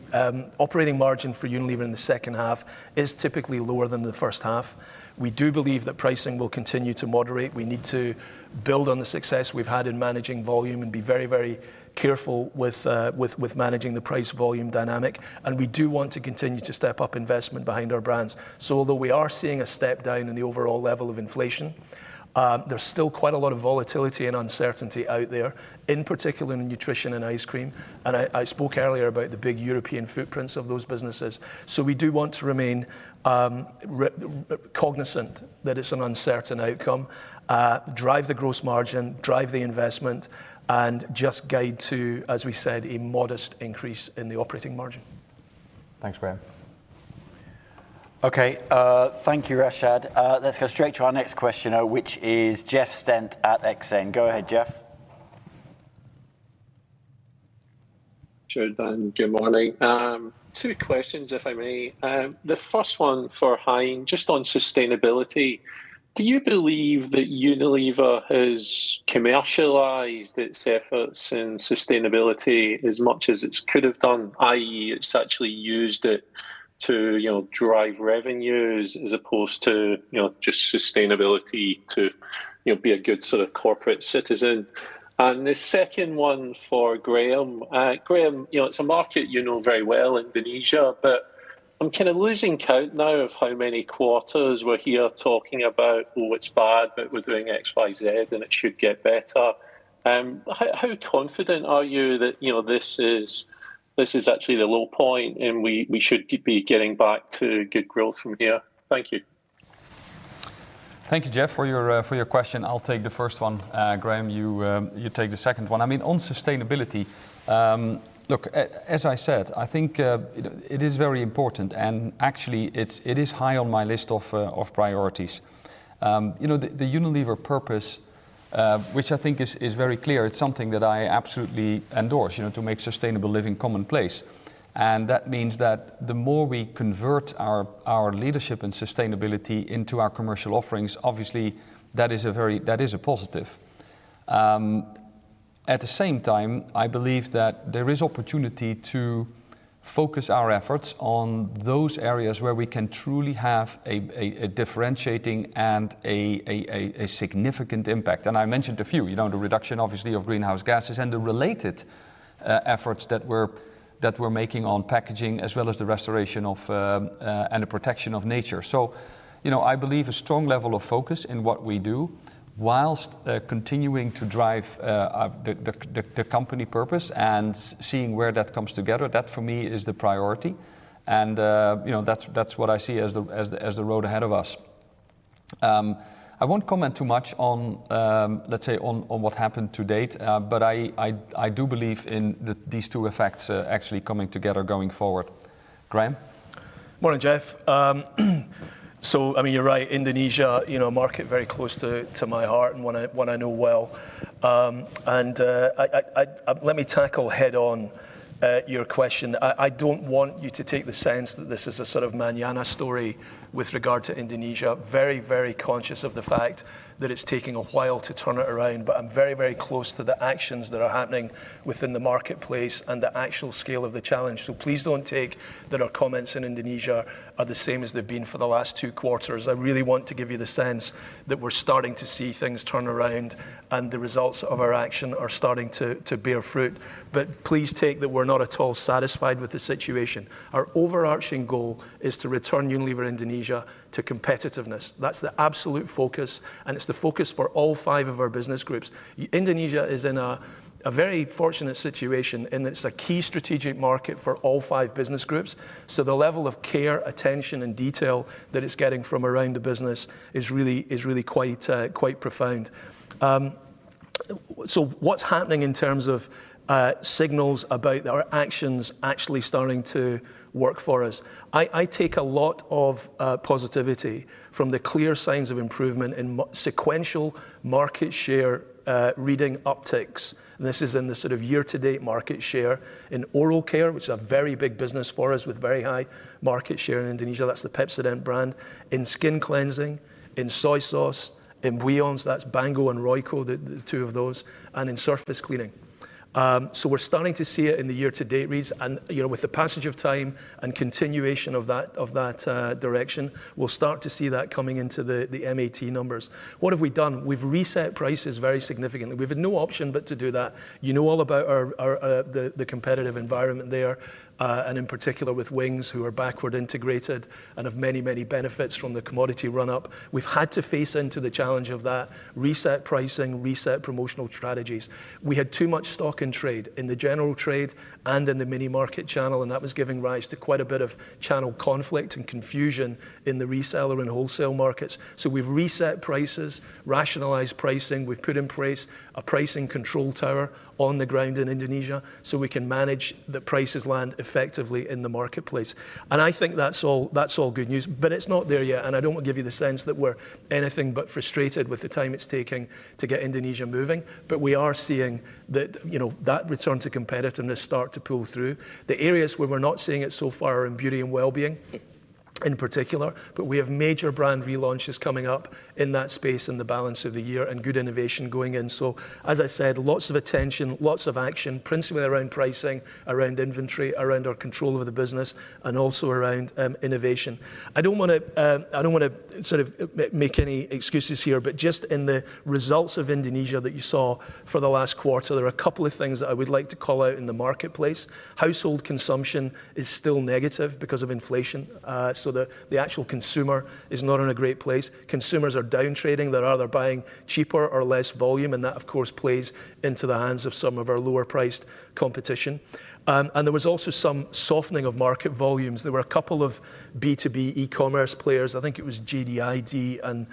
operating margin for Unilever in the second half is typically lower than the first half. We do believe that pricing will continue to moderate. We need to build on the success we've had in managing volume and be very, very careful with managing the price volume dynamic. We do want to continue to step up investment behind our brands. Although we are seeing a step down in the overall level of inflation, there's still quite a lot of volatility and uncertainty out there, in particular in the Nutrition and Ice Cream. I spoke earlier about the big European footprints of those businesses. We do want to remain cognisant that it's an uncertain outcome. Drive the gross margin, drive the investment, and just guide to, as we said, a modest increase in the operating margin. Thanks, Graeme. Okay, thank you, Rashad. Let's go straight to our next question, which is Jeff Stent at Exane. Go ahead, Jeff. Sure thing, good morning. Two questions, if I may. The first one for Hein, just on sustainability, do you believe that Unilever has commercialized its efforts in sustainability as much as it could have done, i.e., it's actually used it to, you know, drive revenues as opposed to, you know, just sustainability to, you know, be a good sort of corporate citizen? The second one for Graeme. Graeme, you know, it's a market you know very well, Indonesia, but I'm kind of losing count now of how many quarters we're here talking about, "Oh, it's bad, but we're doing X, Y, Z, and it should get better." How confident are you that, you know, this is actually the low point, and we should keep be getting back to good growth from here? Thank you. Thank you, Jeff, for your question. I'll take the first one. Graeme, you take the second one. I mean, on sustainability, look, as I said, I think, you know, it is very important, and actually, it's, it is high on my list of priorities. You know, the Unilever purpose, which I think is very clear, it's something that I absolutely endorse, you know, to make sustainable living commonplace. That means that the more we convert our leadership and sustainability into our commercial offerings, obviously, that is a very... That is a positive. At the same time, I believe that there is opportunity to focus our efforts on those areas where we can truly have a differentiating and a significant impact, and I mentioned a few, you know, the reduction, obviously, of greenhouse gases and the related efforts that we're making on packaging, as well as the restoration of and the protection of nature. You know, I believe a strong level of focus in what we do whilst continuing to drive the company purpose and seeing where that comes together, that, for me, is the priority. You know, that's what I see as the road ahead of us. I won't comment too much on, let's say, on what happened to date, but I do believe in these two effects, actually coming together going forward. Graeme? Morning, Jeff. You're right, Indonesia, a market very close to my heart and one I know well. Let me tackle head on your question. I don't want you to take the sense that this is a sort of mañana story with regard to Indonesia. Very, very conscious of the fact that it's taking a while to turn it around, but I'm very, very close to the actions that are happening within the marketplace and the actual scale of the challenge. Please don't take that our comments in Indonesia are the same as they've been for the last two quarters. I really want to give you the sense that we're starting to see things turn around, and the results of our action are starting to bear fruit. Please take that we're not at all satisfied with the situation. Our overarching goal is to return Unilever Indonesia to competitiveness. That's the absolute focus, and it's the focus for all five of our business groups. Indonesia is in a very fortunate situation, and it's a key strategic market for all five business groups, so the level of care, attention, and detail that it's getting from around the business is really, really quite profound. What's happening in terms of signals about are our actions actually starting to work for us? I take a lot of positivity from the clear signs of improvement in sequential market share reading upticks, and this is in the sort of year-to-date market share in oral care, which is a very big business for us with very high market share in Indonesia, that's the Pepsodent brand; in skin cleansing, in soy sauce, in oils, that's Bango and Royco, the two of those, and in surface cleaning. We're starting to see it in the year-to-date reads, and, you know, with the passage of time and continuation of that direction, we'll start to see that coming into the MAT numbers. What have we done? We've reset prices very significantly. We've had no option but to do that. You know all about our competitive environment there. In particular with Wings, who are backward integrated and have many benefits from the commodity run-up. We've had to face into the challenge of that, reset pricing, reset promotional strategies. We had too much stock in trade, in the general trade and in the minimarket channel. That was giving rise to quite a bit of channel conflict and confusion in the reseller and wholesale markets. We've reset prices, rationalized pricing, we've put in place a pricing control tower on the ground in Indonesia so we can manage the prices land effectively in the marketplace. I think that's all good news, but it's not there yet, and I don't want to give you the sense that we're anything but frustrated with the time it's taking to get Indonesia moving. We are seeing that, you know, that return to competitiveness start to pull through. The areas where we're not seeing it so far are in Beauty & Wellbeing, in particular, but we have major brand relaunches coming up in that space in the balance of the year and good innovation going in. As I said, lots of attention, lots of action, principally around pricing, around inventory, around our control over the business, and also around innovation. I don't want to, I don't want to sort of make any excuses here, but just in the results of Indonesia that you saw for the last quarter, there are a couple of things that I would like to call out in the marketplace. Household consumption is still negative because of inflation, so the actual consumer is not in a great place. Consumers are downtrading. They're either buying cheaper or less volume, and that, of course, plays into the hands of some of our lower-priced competition. There was also some softening of market volumes. There were a couple of B2B e-commerce players, I think it was JD.ID and,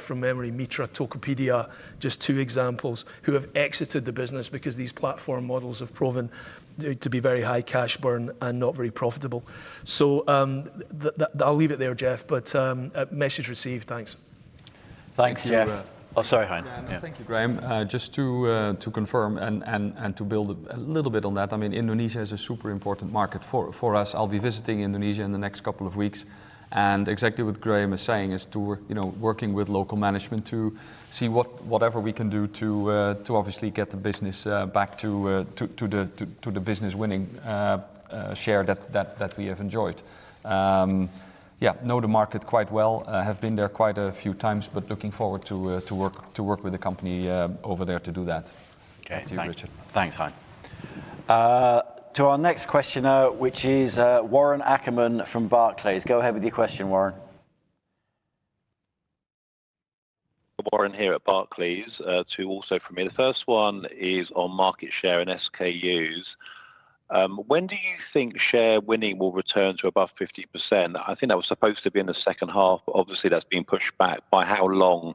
from memory, Mitra Tokopedia, just two examples, who have exited the business because these platform models have proven to be very high cash burn and not very profitable. I'll leave it there, Jeff, but, message received. Thanks. Thanks, Jeff. Thank you. Oh, sorry, Hein. Yeah. Thank you, Graeme. just to confirm, and to build a little on that, I mean, Indonesia is a super important market for us. I'll be visiting Indonesia in the next couple of weeks, and exactly what Graeme is saying, is to, you know, working with local management to see whatever we can do to obviously get the business back to the Business Winning share that we have enjoyed. Yeah, know the market quite well, have been there quite a few times, but looking forward to work with the company over there to do that. Okay. To you, Richard. Thanks, Hein. To our next questioner, which is Warren Ackerman from Barclays. Go ahead with your question, Warren. Warren here at Barclays. Two also from me. The first one is on market share and SKUs. When do you think share winning will return to above 50%? I think that was supposed to be in the second half, but obviously, that's been pushed back. By how long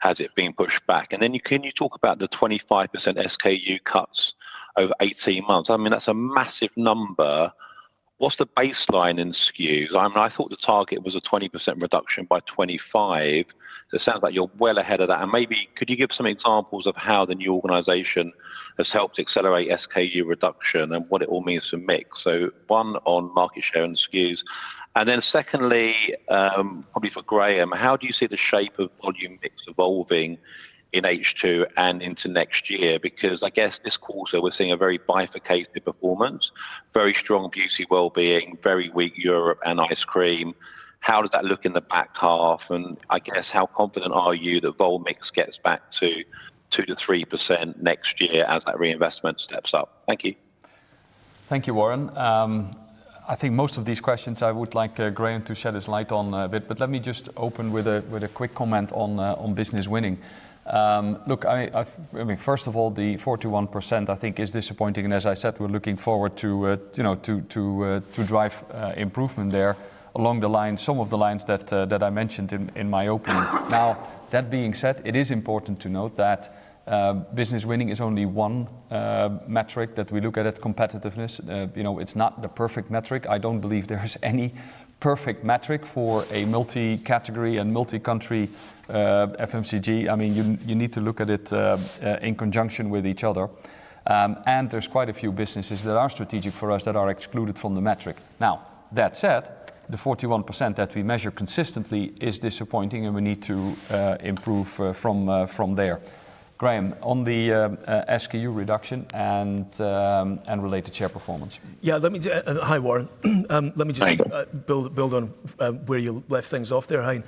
has it been pushed back? Can you talk about the 25% SKU cuts over 18 months? I mean, that's a massive number. What's the baseline in SKUs? I mean, I thought the target was a 20% reduction by 2025. It sounds like you're well ahead of that, and maybe could you give some examples of how the new organization has helped accelerate SKU reduction and what it all means to mix? One on market share and SKUs. Secondly, probably for Graeme, how do you see the shape of volume mix evolving in H2 and into next year? I guess this quarter, we're seeing a very bifurcated performance, very strong Beauty & Wellbeing, very weak Europe and Ice Cream. How does that look in the back half, and I guess, how confident are you that vol mix gets back to 2%-3% next year as that reinvestment steps up? Thank you. Thank you, Warren. I think most of these questions I would like Graeme to shed his light on, but let me just open with a quick comment on % Business Winning. Look, I mean, first of all, the 41%, I think, is disappointing, and as I said, we're looking forward to, you know, to drive improvement there along some of the lines that I mentioned in my opening. That being said, it is important to note that % Business Winning is only one metric that we look at competitiveness. You know, it's not the perfect metric. I don't believe there is any perfect metric for a multi-category and multi-country FMCG. I mean, you need to look at it in conjunction with each other. There's quite a few businesses that are strategic for us that are excluded from the metric. Now, that said, the 41% that we measure consistently is disappointing, and we need to improve from there. Graeme, on the SKU reduction and related share performance. Yeah, hi, Warren. Hi... build on where you left things off there, Hein.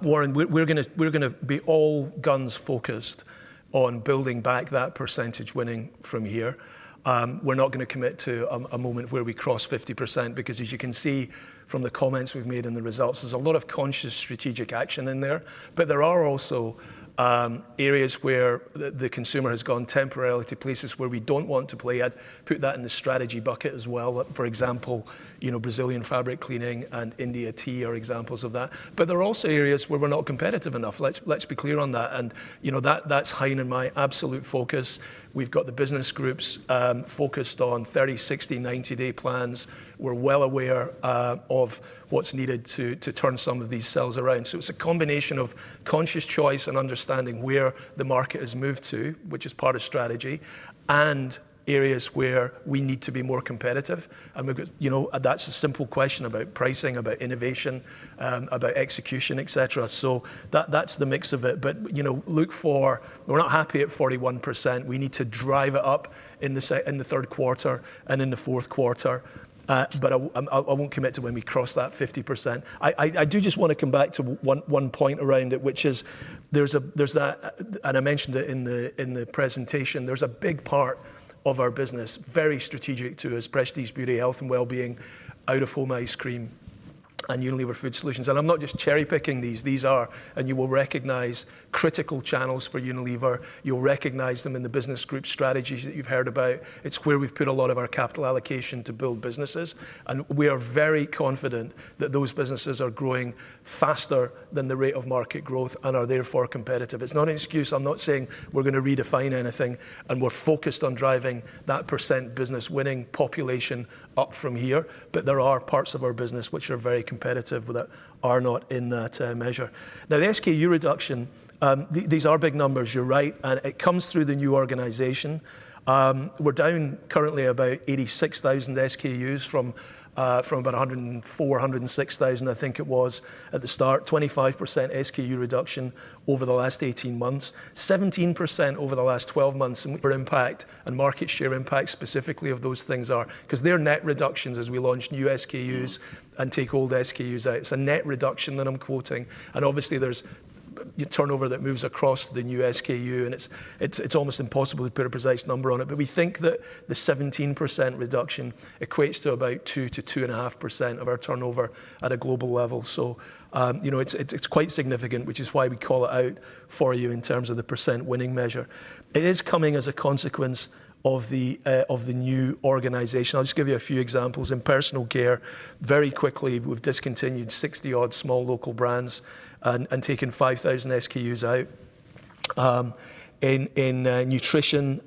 Warren, we're gonna be all guns focused on building back that percentage winning from here. We're not gonna commit to a moment where we cross 50%, because as you can see from the comments we've made and the results, there's a lot of conscious strategic action in there. There are also areas where the consumer has gone temporarily to places where we don't want to play at. Put that in the strategy bucket as well. For example, you know, Brazilian fabric cleaning and India tea are examples of that. There are also areas where we're not competitive enough. Let's be clear on that, and, you know, that's high in my absolute focus. We've got the business groups focused on 30, 60, 90-day plans. We're well aware of what's needed to turn some of these sales around. It's a combination of conscious choice and understanding where the market has moved to, which is part of strategy, and areas where we need to be more competitive. you know, that's a simple question about pricing, about innovation, about execution, et cetera. That, that's the mix of it. you know, look for... We're not happy at 41%. We need to drive it up in the third quarter and in the fourth quarter. I won't commit to when we cross that 50%. I do just want to come back to one point around it, which is, and I mentioned it in the presentation, there's a big part of our business, very strategic to us, Prestige Beauty, Health & Wellbeing, out-of-home ice cream, and Unilever Food Solutions. I'm not just cherry-picking these. These are, and you will recognize, critical channels for Unilever. You'll recognize them in the business group strategies that you've heard about. It's where we've put a lot of our capital allocation to build businesses, and we are very confident that those businesses are growing faster than the rate of market growth and are therefore competitive. It's not an excuse. I'm not saying we're going to redefine anything. We're focused on driving that % Business Winning population up from here. There are parts of our business which are very competitive that are not in that measure. Now, the SKU reduction, these are big numbers, you're right. It comes through the new organization. We're down currently about 86,000 SKUs from about 104,000, 106,000, I think it was at the start. 25% SKU reduction over the last 18 months, 17% over the last 12 months for impact, market share impact specifically of those things are... Because they're net reductions as we launch new SKUs- Mm-hmm. Take old SKUs out. Obviously there's turnover that moves across the new SKU, and it's almost impossible to put a precise number on it. We think that the 17% reduction equates to about 2%-2.5% of our turnover at a global level. You know, it's quite significant, which is why we call it out for you in terms of the percent winning measure. It is coming as a consequence of the new organization. I'll just give you a few examples. In Personal Care, very quickly, we've discontinued 60 odd small local brands and taken 5,000 SKUs out. In Nutrition,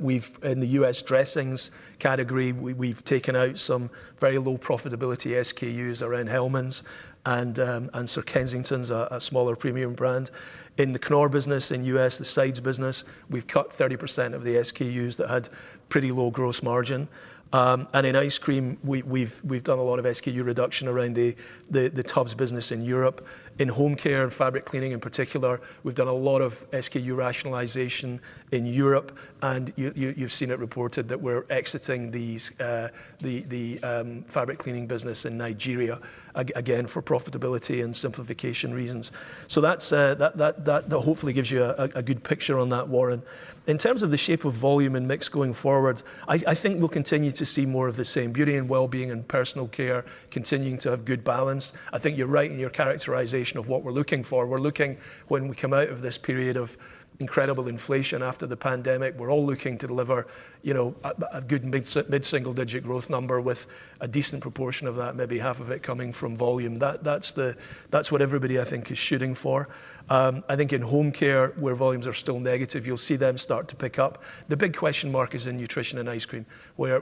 we've in the U.S. dressings category, we've taken out some very low profitability SKUs around Hellmann's and Sir Kensington's, a smaller premium brand. In the Knorr business in U.S., the sides business, we've cut 30% of the SKUs that had pretty low gross margin. In Ice Cream, we've done a lot of SKU reduction around the tubs business in Europe. In Home Care and Fabric Cleaning, in particular, we've done a lot of SKU rationalization in Europe, and you've seen it reported that we're exiting these the fabric cleaning business in Nigeria again for profitability and simplification reasons. That's that hopefully gives you a good picture on that, Warren. In terms of the shape of volume and mix going forward, I think we'll continue to see more of the same. Beauty & Wellbeing and Personal Care continuing to have good balance. I think you're right in your characterization of what we're looking for. We're looking, when we come out of this period of incredible inflation after the pandemic, we're all looking to deliver, you know, a good mid-single-digit growth number with a decent proportion of that, maybe half of it, coming from volume. That's the, that's what everybody, I think, is shooting for. I think in Home Care, where volumes are still negative, you'll see them start to pick up. The big question mark is in Nutrition and Ice Cream, where,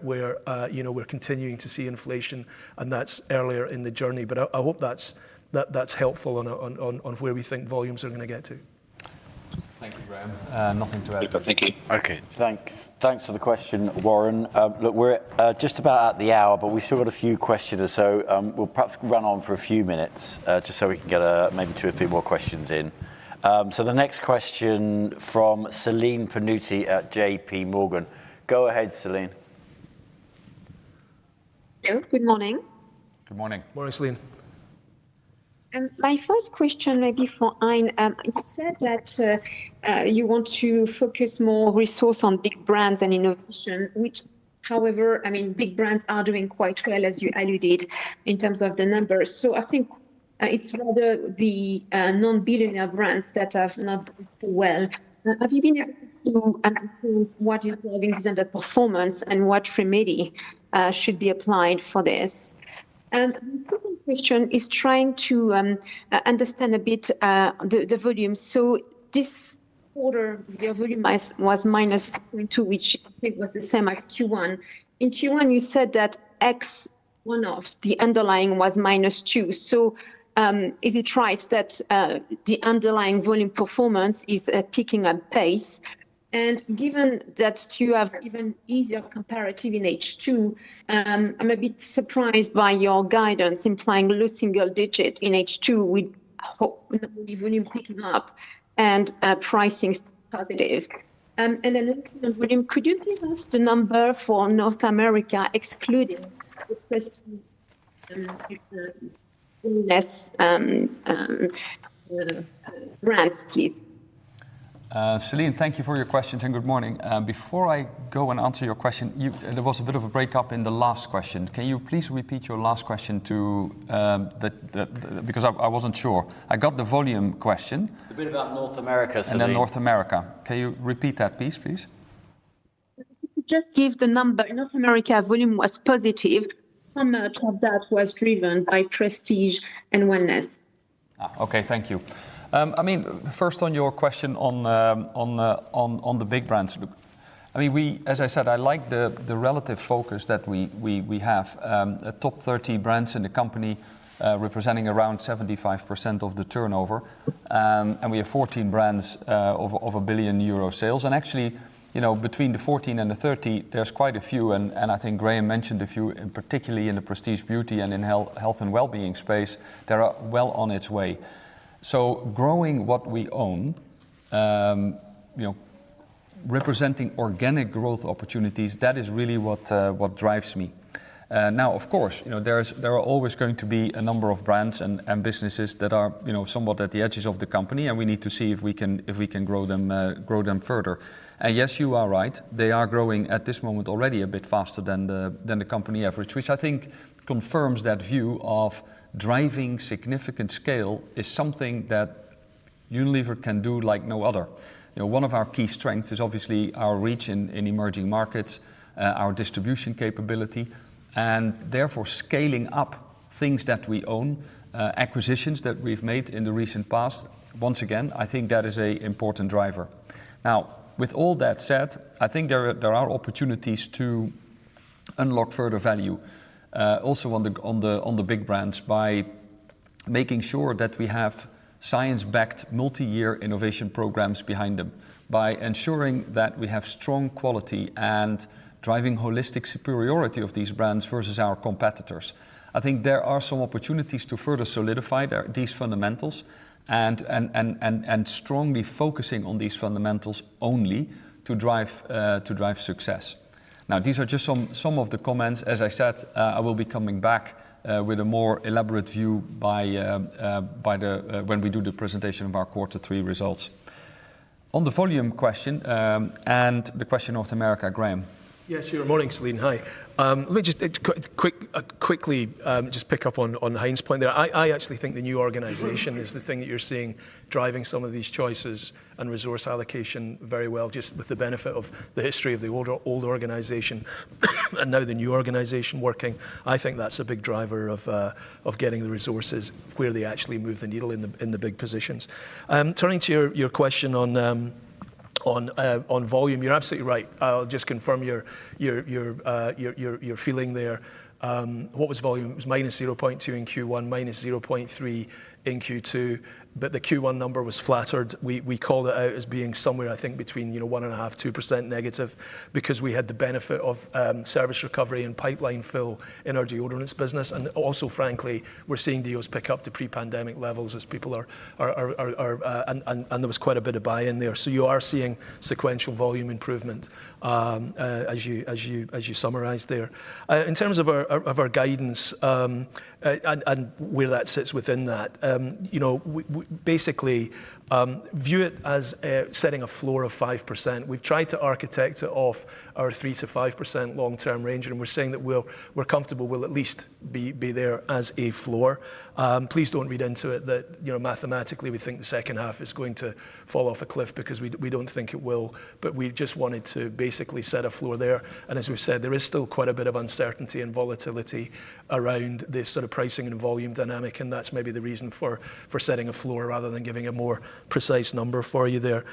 you know, we're continuing to see inflation, and that's earlier in the journey. I hope that's helpful on where we think volumes are going to get to. Thank you, Graeme. Nothing to add, but thank you. Okay. Thanks. Thanks for the question, Warren. look, we're just about at the hour, but we've still got a few questions or so. We'll perhaps run on for a few minutes, just so we can get maybe two or three more questions in. The next question from Celine Pannuti at J.P. Morgan. Go ahead, Celine. Hello, good morning. Good morning. Morning, Celine. My first question may be for Hein. You said that you want to focus more resource on big brands and innovation, which however, I mean, big brands are doing quite well, as you alluded, in terms of the numbers. I think it's rather the non-billionaire brands that have not done well. Have you been able to understand what is driving this underperformance and what remedy should be applied for this? The second question is trying to understand a bit the volume. This quarter, your volume is, was -0.2%, which I think was the same as Q1. In Q1, you said that X, one of the underlying, was -2%. Is it right that the underlying volume performance is picking up pace? Given that you have even easier comparative in H2, I'm a bit surprised by your guidance, implying low single digit in H2, with the volume picking up and pricing positive. Volume, could you give us the number for North America, excluding-... good question. Less brands, please. Celine, thank you for your questions. Good morning. Before I go and answer your question, there was a bit of a break-up in the last question. Can you please repeat your last question to the... I wasn't sure. I got the volume question. The bit about North America, Celine. North America. Can you repeat that please? Just give the number. In North America, volume was positive. How much of that was driven by Prestige and Wellness? Okay. Thank you. I mean, first on your question on the big brands. I mean, as I said, I like the relative focus that we have at top 30 brands in the company, representing around 75% of the turnover. We have 14 brands of 1 billion euro sales. Actually, you know, between the 14 and the 30, there's quite a few, and I think Graeme mentioned a few, and particularly in the Prestige Beauty and in Health & Wellbeing space, they are well on its way. Growing what we own, you know, representing organic growth opportunities, that is really what drives me. Now, of course, you know, there are always going to be a number of brands and businesses that are, you know, somewhat at the edges of the company, and we need to see if we can, if we can grow them, grow them further. Yes, you are right. They are growing at this moment already a bit faster than the company average, which I think confirms that view of driving significant scale is something that Unilever can do like no other. You know, one of our key strengths is obviously our reach in emerging markets, our distribution capability, and therefore scaling up things that we own, acquisitions that we've made in the recent past. Once again, I think that is a important driver. With all that said, I think there are opportunities to unlock further value, also on the big brands, by making sure that we have science-backed, multi-year innovation programs behind them, by ensuring that we have strong quality and driving holistic superiority of these brands versus our competitors. I think there are some opportunities to further solidify these fundamentals and strongly focusing on these fundamentals only to drive success. These are just some of the comments. As I said, I will be coming back with a more elaborate view by the when we do the presentation of our quarter three results. On the volume question, and the question North America, Graeme? Yes, sure. Morning, Celine. Hi. Let me just quickly pick up on Hein's point there. I actually think the new organization is the thing that you're seeing driving some of these choices and resource allocation very well, just with the benefit of the history of the old organization, and now the new organization working. I think that's a big driver of getting the resources where they actually move the needle in the big positions. Turning to your question on volume, you're absolutely right. I'll just confirm your feeling there. What was volume? It was -0.2% in Q1, -0.3% in Q2, but the Q1 number was flattered. We called it out as being somewhere, I think, between, you know, 1.5%-2% negative, because we had the benefit of service recovery and pipeline fill in our deodorants business. Also, frankly, we're seeing deals pick up to pre-pandemic levels as people are and there was quite a bit of buy-in there. You are seeing sequential volume improvement as you summarized there. In terms of our guidance, and where that sits within that, you know, we basically view it as setting a floor of 5%. We've tried to architect it off our 3%-5% long-term range, and we're saying that we're comfortable we'll at least be there as a floor. Please don't read into it that, you know, mathematically, we think the second half is going to fall off a cliff because we don't think it will, but we just wanted to basically set a floor there. As we've said, there is still quite a bit of uncertainty and volatility around this sort of pricing and volume dynamic, and that's maybe the reason for setting a floor rather than giving a more precise number for you there.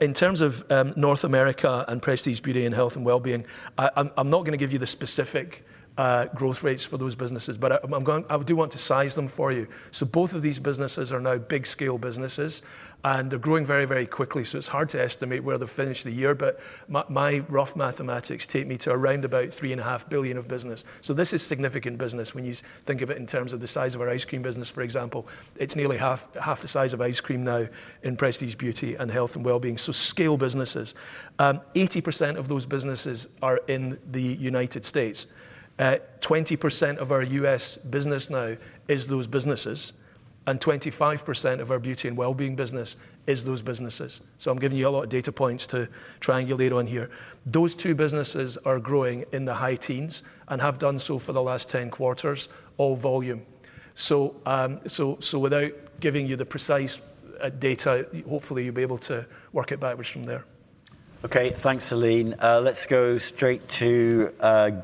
In terms of North America and Prestige Beauty and Health & Wellbeing, I'm not gonna give you the specific growth rates for those businesses, but I do want to size them for you. Both of these businesses are now big scale businesses, and they're growing very, very quickly, so it's hard to estimate where they'll finish the year. My rough mathematics take me to around about 3.5 billion of business. This is significant business when you think of it in terms of the size of our Ice Cream business, for example. It's nearly half the size of Ice Cream now in Prestige Beauty and Health & Wellbeing, scale businesses. 80% of those businesses are in the U.S. 20% of our U.S. business now is those businesses, and 25% of our Beauty & Wellbeing business is those businesses. I'm giving you a lot of data points to triangulate on here. Those two businesses are growing in the high teens and have done so for the last 10 quarters, all volume. Without giving you the precise data, hopefully you'll be able to work it backwards from there. Okay, thanks, Celine. Let's go straight to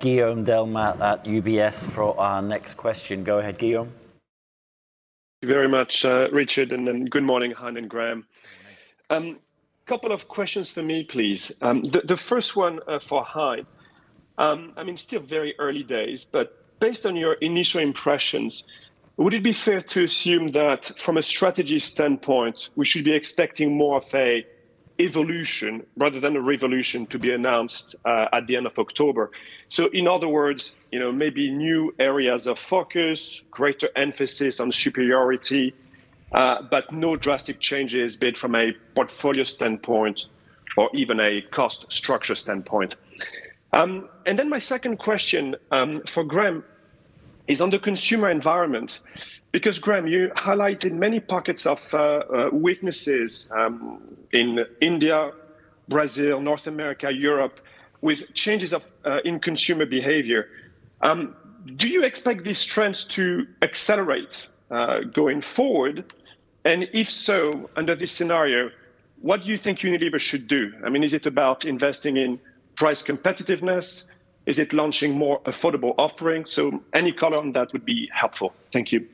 Guillaume Delmas at UBS for our next question. Go ahead, Guillaume. Thank you very much, Richard, good morning, Hein and Graeme. Couple of questions for me, please. The first one for Hein. I mean, still very early days, but based on your initial impressions, would it be fair to assume that from a strategy standpoint, we should be expecting more of a evolution rather than a revolution to be announced at the end of October? In other words, you know, maybe new areas of focus, greater emphasis on superiority? but no drastic changes be it from a portfolio standpoint or even a cost structure standpoint. Then my second question for Graeme is on the consumer environment, because, Graeme, you highlighted many pockets of weaknesses in India, Brazil, North America, Europe, with changes in consumer behavior. Do you expect these trends to accelerate going forward? If so, under this scenario, what do you think Unilever should do? I mean, is it about investing in price competitiveness? Is it launching more affordable offerings? Any color on that would be helpful. Thank you.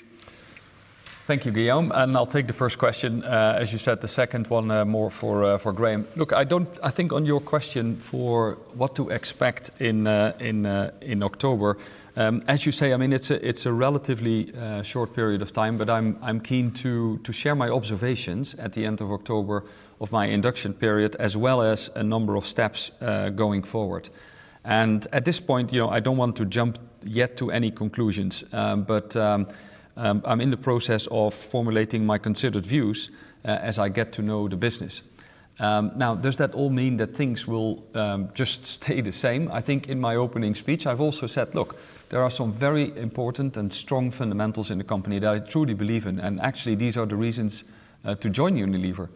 Thank you, Guillaume. I'll take the first question. As you said, the second one, more for Graeme. Look, I think on your question for what to expect in October, as you say, I mean, it's a relatively short period of time, but I'm keen to share my observations at the end of October of my induction period, as well as a number of steps, going forward. At this point, you know, I don't want to jump yet to any conclusions. But I'm in the process of formulating my considered views, as I get to know the business. Now, does that all mean that things will just stay the same? I think in my opening speech, I've also said, "Look, there are some very important and strong fundamentals in the company that I truly believe in, and actually, these are the reasons to join Unilever.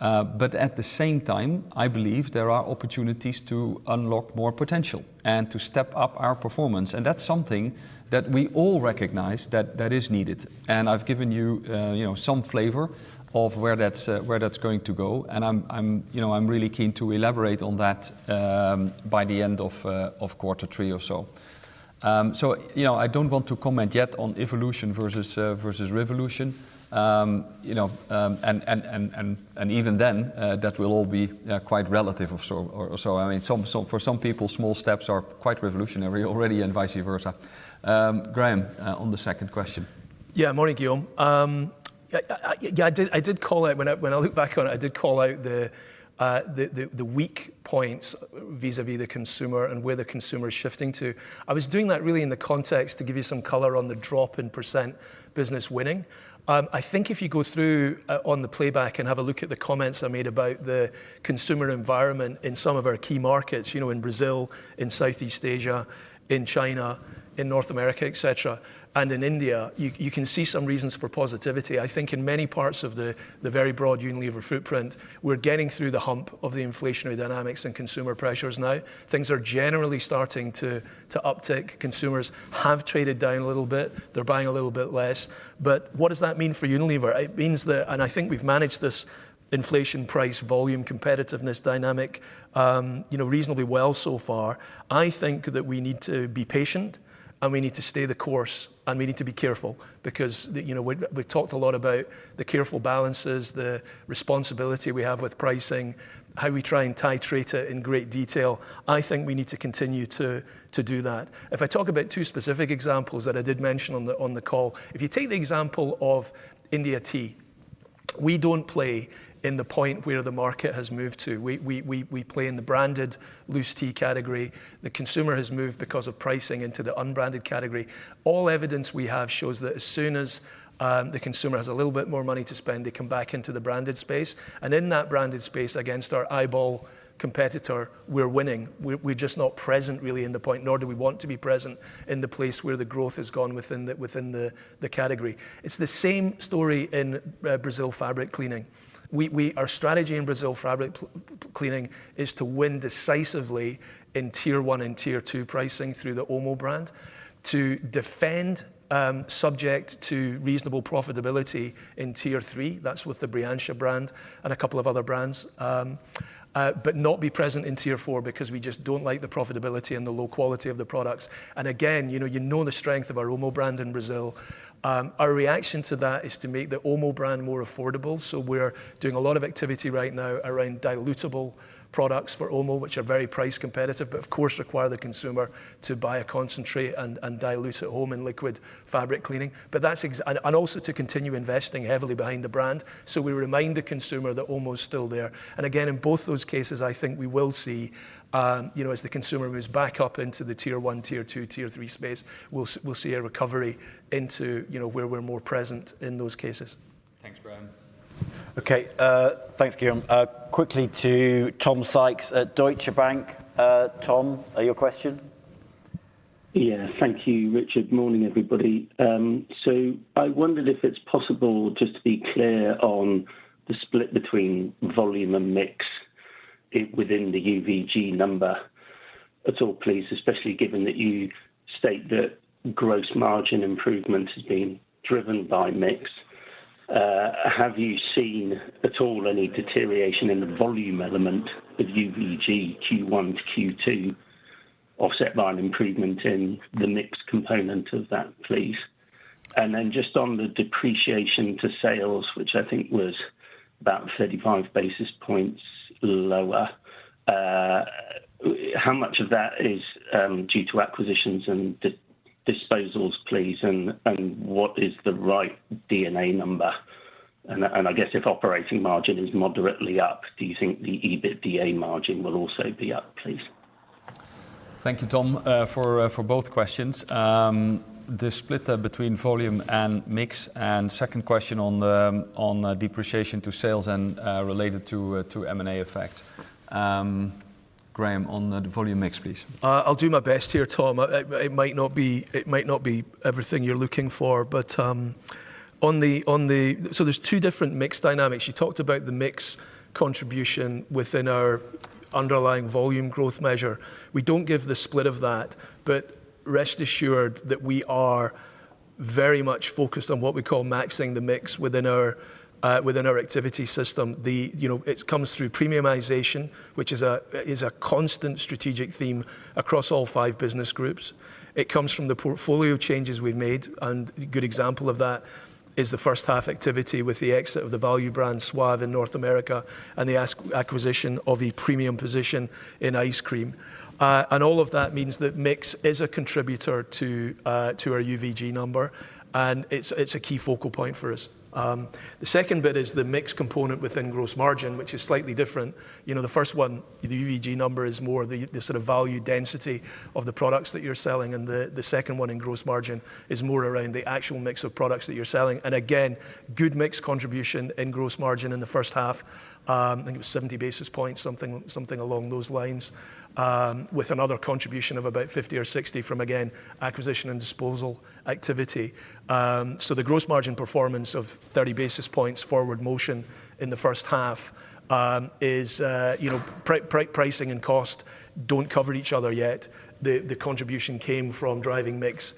But at the same time, I believe there are opportunities to unlock more potential and to step up our performance." That's something that we all recognize that is needed. I've given you know, some flavor of where that's where that's going to go, and I'm, you know, I'm really keen to elaborate on that by the end of quarter three or so. You know, I don't want to comment yet on evolution versus versus revolution. You know, and even then, that will all be quite relative or so. I mean, some for some people, small steps are quite revolutionary already, and vice versa. Graeme, on the second question. Yeah. Morning, Guillaume. yeah, When I look back on it, I did call out the weak points vis-à-vis the consumer and where the consumer is shifting to. I was doing that really in the context to give you some color on the drop in % Business Winning. I think if you go through on the playback and have a look at the comments I made about the consumer environment in some of our key markets, you know, in Brazil, in Southeast Asia, in China, in North America, et cetera, and in India, you can see some reasons for positivity. I think in many parts of the very broad Unilever footprint, we're getting through the hump of the inflationary dynamics and consumer pressures now. Things are generally starting to uptick. Consumers have traded down a little bit. They're buying a little bit less. What does that mean for Unilever? It means that I think we've managed this inflation, price, volume, competitiveness, dynamic, you know, reasonably well so far. I think that we need to be patient, and we need to stay the course, and we need to be careful because the, you know, we've talked a lot about the careful balances, the responsibility we have with pricing, how we try and titrate it in great detail. I think we need to continue to do that. If I talk about two specific examples that I did mention on the call, if you take the example of India tea, we don't play in the point where the market has moved to. We play in the branded loose tea category. The consumer has moved because of pricing into the unbranded category. All evidence we have shows that as soon as the consumer has a little bit more money to spend, they come back into the branded space. In that branded space, against our eyeball competitor, we're winning. We're just not present really in the point, nor do we want to be present in the place where the growth has gone within the category. It's the same story in Brazil fabric cleaning. Our strategy in Brazil fabric cleaning is to win decisively in tier one and tier two pricing through the OMO brand, to defend, subject to reasonable profitability in tier three, that's with the Brilhante brand and a couple of other brands, but not be present in tier four because we just don't like the profitability and the low quality of the products. Again, you know the strength of our OMO brand in Brazil. Our reaction to that is to make the OMO brand more affordable. We're doing a lot of activity right now around dilutable products for OMO, which are very price competitive, but of course, require the consumer to buy a concentrate and dilute at home in liquid fabric cleaning. That's also to continue investing heavily behind the brand, so we remind the consumer that OMO's still there. Again, in both those cases, I think we will see, you know, as the consumer moves back up into the tier one, tier two, tier three space, we'll see a recovery into, you know, where we're more present in those cases. Thanks, Graeme. Okay, thanks, Guillaume. Quickly to Tom Sykes at Deutsche Bank. Tom, your question? Yeah, thank you, Richard. Morning, everybody. I wondered if it's possible just to be clear on the split between volume and mix within the UVG number at all, please, especially given that you state that gross margin improvement has been driven by mix. Have you seen at all any deterioration in the volume element of UVG Q1 to Q2, offset by an improvement in the mix component of that, please? Just on the depreciation to sales, which I think was about 35 basis points lower, how much of that is due to acquisitions and disposals, please? What is the right NMI number? I guess if operating margin is moderately up, do you think the EBITDA margin will also be up, please? Thank you, Tom, for both questions. The split between volume and mix, and second question on the depreciation to sales and related to M&A effects. Graeme, on the volume mix, please. I'll do my best here, Tom. It might not be everything you're looking for, but so there's two different mix dynamics. You talked about the mix contribution within our underlying volume growth measure. We don't give the split of that, but rest assured that we are very much focused on what we call maxing the mix within our activity system. You know, it comes through premiumization, which is a constant strategic theme across all five business groups. It comes from the portfolio changes we've made, and a good example of that is the first half activity with the exit of the value brand Suave in North America and the acquisition of a premium position in Ice Cream. All of that means that mix is a contributor to our UVG number, and it's a key focal point for us. The second bit is the mix component within gross margin, which is slightly different. You know, the first one, the UVG number, is more the sort of value density of the products that you're selling, and the second one in gross margin is more around the actual mix of products that you're selling. Again, good mix contribution in gross margin in the first half. I think it was 70 basis points, something along those lines, with another contribution of about 50 or 60 from, again, acquisition and disposal activity. The gross margin performance of 30 basis points forward motion in the first half is pricing and cost don't cover each other yet. The contribution came from driving mix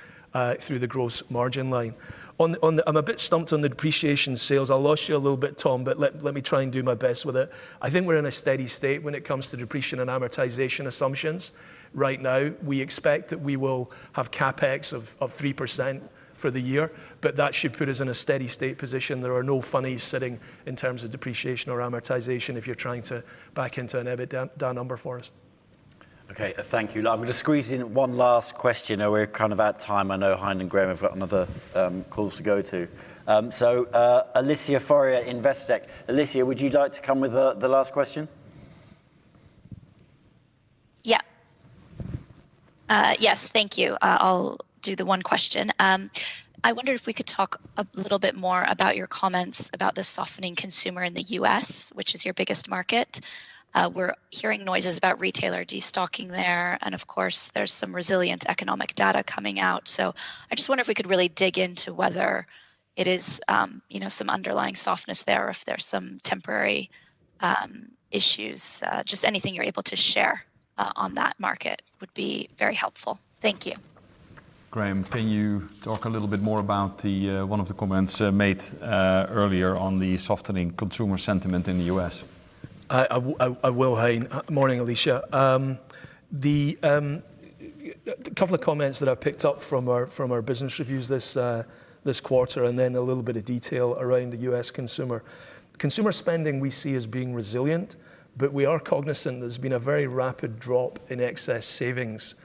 through the gross margin line. I'm a bit stumped on the depreciation sales. I lost you a little bit, Tom, let me try and do my best with it. I think we're in a steady state when it comes to depreciation and amortization assumptions right now. We expect that we will have CapEx of 3% for the year, that should put us in a steady state position. There are no funnies sitting in terms of depreciation or amortization if you're trying to back into an EBITDA number for us. Okay, thank you. I'm going to squeeze in one last question. We're kind of out of time. I know Hein and Graeme have got another calls to go to. Alicia Forry, Consumer Analyst, Investec. Alicia, would you like to come with the last question? Yeah. Yes, thank you. I'll do the one question. I wonder if we could talk a little bit more about your comments about the softening consumer in the U.S., which is your biggest market. We're hearing noises about retailer destocking there, and of course, there's some resilient economic data coming out. I just wonder if we could really dig into whether it is, you know, some underlying softness there or if there's some temporary issues. Just anything you're able to share on that market would be very helpful. Thank you. Graeme, can you talk a little bit more about the one of the comments made earlier on the softening consumer sentiment in the U.S.? I will, Hein. Morning, Alicia. The couple of comments that I picked up from our business reviews this quarter, and then a little bit of detail around the U.S. consumer. Consumer spending we see as being resilient, but we are cognisant there's been a very rapid drop in excess savings,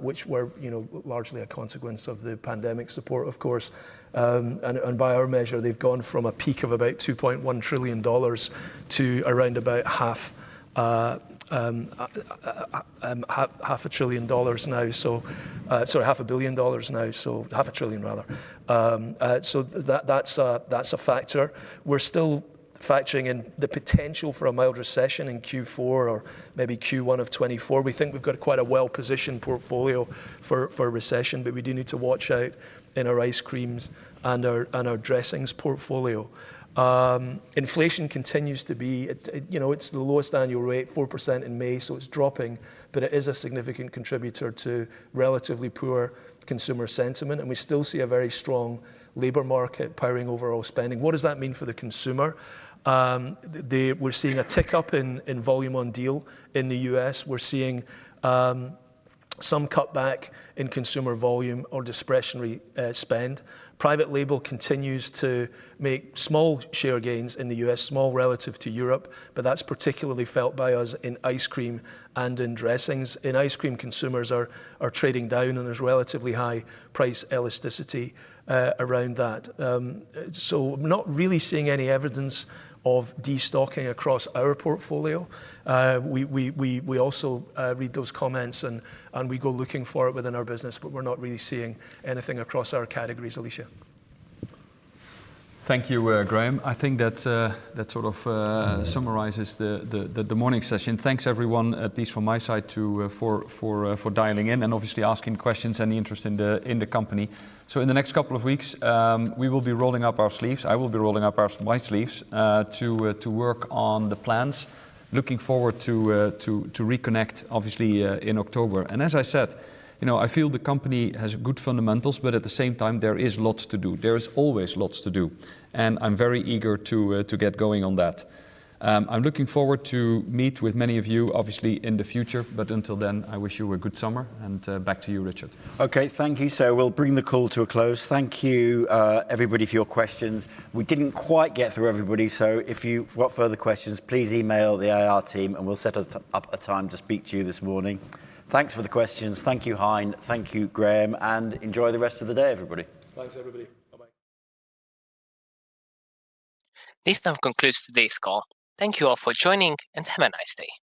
which were, you know, largely a consequence of the pandemic support, of course. By our measure, they've gone from a peak of about $2.1 trillion to around about $500 billion now, so sorry, $500 million now, so $500 billion, rather. That's a factor. We're still factoring in the potential for a mild recession in Q4 or maybe Q1 of 2024. We think we've got quite a well-positioned portfolio for a recession, but we do need to watch out in our ice creams and our dressings portfolio. Inflation continues to be, you know, it's the lowest annual rate, 4% in May, so it's dropping, but it is a significant contributor to relatively poor consumer sentiment, and we still see a very strong labor market powering overall spending. What does that mean for the consumer? The, we're seeing a tick-up in volume on deal in the U.S. We're seeing some cutback in consumer volume or discretionary spend. Private label continues to make small share gains in the U.S., small relative to Europe, but that's particularly felt by us in ice cream and in dressings. In ice cream, consumers are trading down, and there's relatively high price elasticity around that. We're not really seeing any evidence of destocking across our portfolio. We also read those comments, and we go looking for it within our business, but we're not really seeing anything across our categories, Alicia. Thank you, Graeme. I think that that sort of summarizes the morning session. Thanks, everyone, at least from my side, for dialing in and obviously asking questions and the interest in the company. In the next two weeks, we will be rolling up our sleeves. I will be rolling up our wide sleeves to work on the plans. Looking forward to reconnect, obviously, in October. As I said, you know, I feel the company has good fundamentals, but at the same time, there is lots to do. There is always lots to do, and I'm very eager to get going on that. I'm looking forward to meet with many of you, obviously, in the future, but until then, I wish you a good summer, and back to you, Richard. Okay, thank you. We'll bring the call to a close. Thank you, everybody, for your questions. We didn't quite get through everybody. If you've got further questions, please email the IR team, and we'll set up a time to speak to you this morning. Thanks for the questions. Thank you, Hein. Thank you, Graeme. Enjoy the rest of the day, everybody. Thanks, everybody. Bye-bye. This now concludes today's call. Thank you all for joining, and have a nice day.